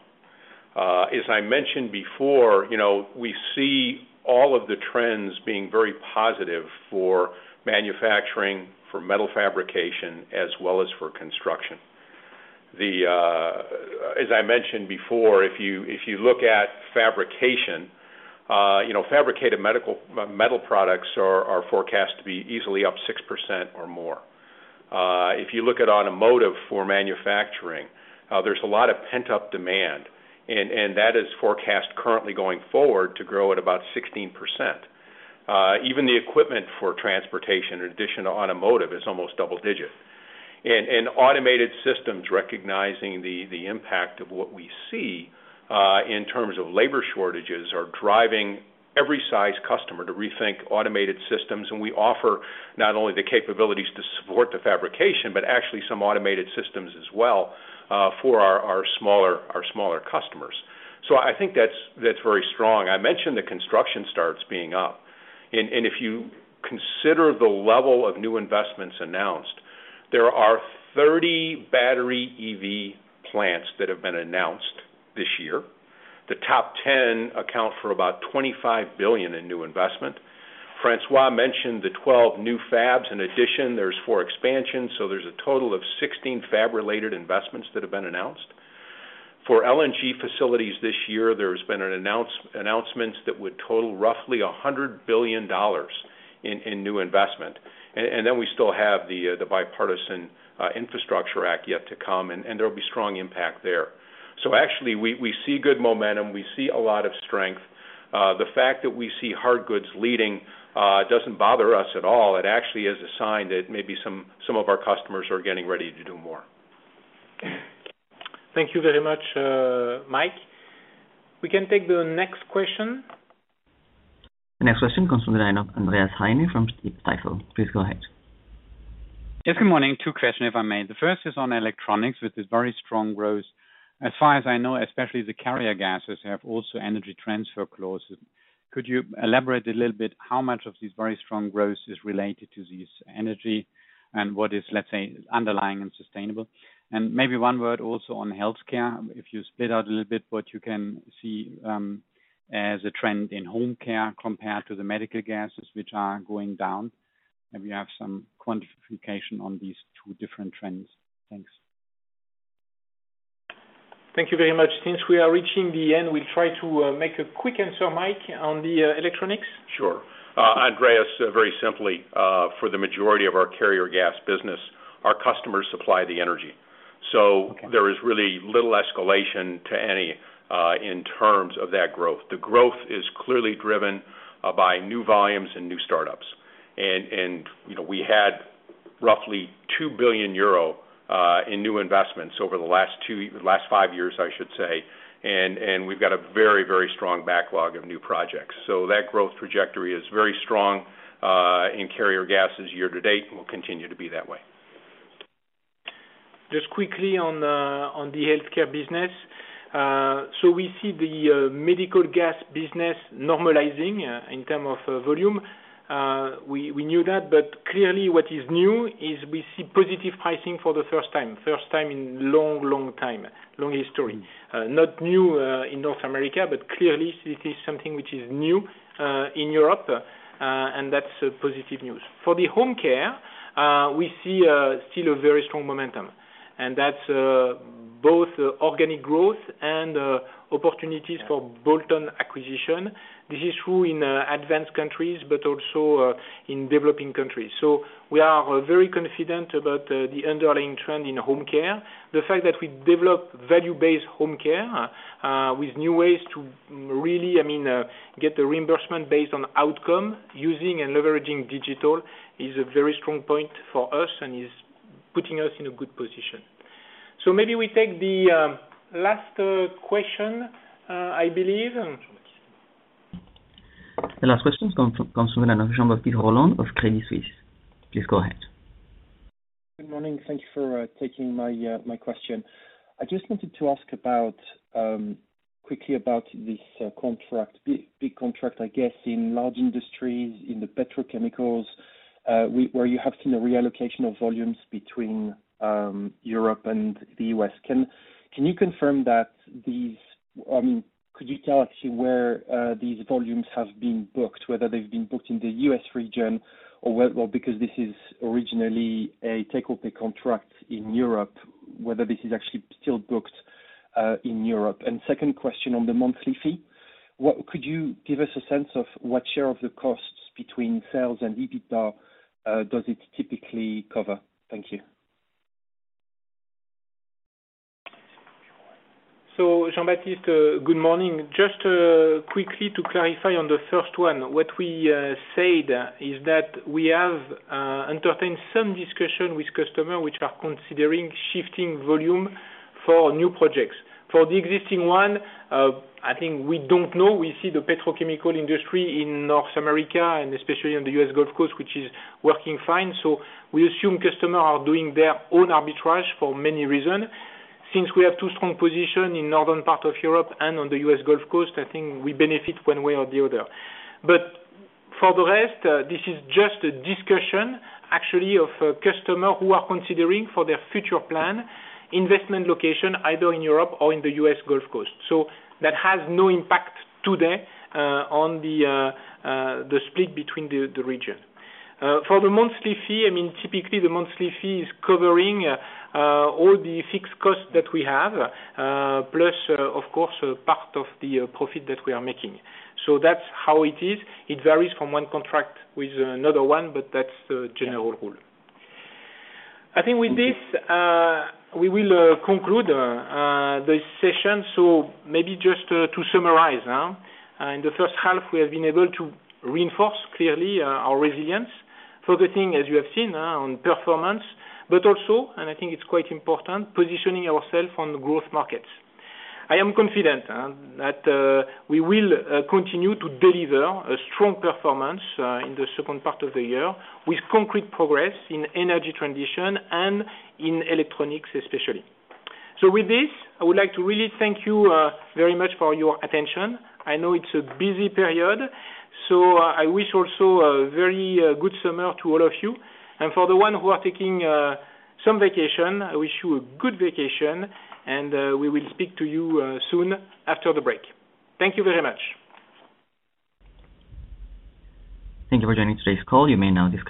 As I mentioned before, you know, we see all of the trends being very positive for manufacturing, for metal fabrication, as well as for construction. As I mentioned before, if you look at fabrication, you know, fabricated medical metal products are forecast to be easily up 6% or more. If you look at automotive for manufacturing, there's a lot of pent-up demand, and that is forecast currently going forward to grow at about 16%. Even the equipment for transportation in addition to automotive is almost double-digit. Automated systems recognizing the impact of what we see in terms of labor shortages are driving every size customer to rethink automated systems. We offer not only the capabilities to support the fabrication, but actually some automated systems as well for our smaller customers. I think that's very strong. I mentioned the construction starts being up. If you consider the level of new investments announced, there are 30 battery EV plants that have been announced this year. The top ten account for about $25 billion in new investment. François mentioned the 12 new fabs. In addition, there's four expansions, so there's a total of 16 fab-related investments that have been announced. For LNG facilities this year, there's been announcements that would total roughly $100 billion in new investment. Then we still have the Bipartisan Infrastructure Act yet to come, and there will be strong impact there. Actually we see good momentum. We see a lot of strength. The fact that we see hard goods leading doesn't bother us at all. It actually is a sign that maybe some of our customers are getting ready to do more. Thank you very much, Mike. We can take the next question. The next question comes from the line of Andreas Heine from Stifel. Please go ahead. Yes. Good morning. Two questions, if I may. The first is on electronics with this very strong growth. As far as I know, especially the carrier gases have also energy transfer clauses. Could you elaborate a little bit how much of this very strong growth is related to this energy, and what is, let's say, underlying and sustainable? Maybe one word also on healthcare, if you split out a little bit what you can see, as a trend in home care compared to the medical gases which are going down, and we have some quantification on these two different trends. Thanks. Thank you very much. Since we are reaching the end, we'll try to make a quick answer, Mike, on the electronics. Sure. Andreas, very simply, for the majority of our carrier gas business, our customers supply the energy. Okay. There is really little escalation to any in terms of that growth. The growth is clearly driven by new volumes and new startups. You know, we had roughly 2 billion euro in new investments over the last five years, I should say. We've got a very strong backlog of new projects. That growth trajectory is very strong in carrier gases year to date and will continue to be that way. Just quickly on the healthcare business. We see the medical gas business normalizing in terms of volume. We knew that, but clearly what is new is we see positive pricing for the first time in a long time, long history. Not new in North America, but clearly this is something which is new in Europe, and that's positive news. For the home care, we see still a very strong momentum, and that's both organic growth and opportunities for bolt-on acquisition. This is true in advanced countries but also in developing countries. We are very confident about the underlying trend in home care. The fact that we develop value-based home care with new ways to really, I mean, get the reimbursement based on outcome using and leveraging digital is a very strong point for us and is putting us in a good position. Maybe we take the last question, I believe. The last question comes from the line of Jean-Baptiste Rolland of Credit Suisse. Please go ahead. Good morning. Thank you for taking my question. I just wanted to ask about quickly about this big contract, I guess, in large industries, in the petrochemicals, where you have seen a reallocation of volumes between Europe and the U.S. I mean, could you tell actually where these volumes have been booked, whether they've been booked in the U.S. region or well, because this is originally a take-or-pay contract in Europe, whether this is actually still booked in Europe? Second question on the monthly fee, could you give us a sense of what share of the costs between sales and EBITDA does it typically cover? Thank you. Jean-Baptiste Rolland, good morning. Just quickly to clarify on the first one, what we said is that we have entertained some discussion with customers which are considering shifting volume for new projects. For the existing one, I think we don't know. We see the petrochemical industry in North America and especially on the U.S. Gulf Coast, which is working fine, so we assume customers are doing their own arbitrage for many reasons. Since we have two strong positions in northern part of Europe and on the U.S. Gulf Coast, I think we benefit one way or the other. For the rest, this is just a discussion actually of a customer who are considering for their future plan investment location either in Europe or in the U.S. Gulf Coast. That has no impact today on the split between the region. For the monthly fee, I mean, typically the monthly fee is covering all the fixed costs that we have, plus, of course, part of the profit that we are making. That's how it is. It varies from one contract with another one, but that's the general rule. I think with this we will conclude this session. Maybe just to summarize, in the first half we have been able to reinforce clearly our resilience, focusing, as you have seen, on performance, but also, and I think it's quite important, positioning ourself on growth markets. I am confident that we will continue to deliver a strong performance in the second part of the year with concrete progress in energy transition and in electronics especially. With this, I would like to really thank you very much for your attention. I know it's a busy period, so I wish also a very good summer to all of you. For the one who are taking some vacation, I wish you a good vacation and we will speak to you soon after the break. Thank you very much. Thank you for joining today's call. You may now disconnect.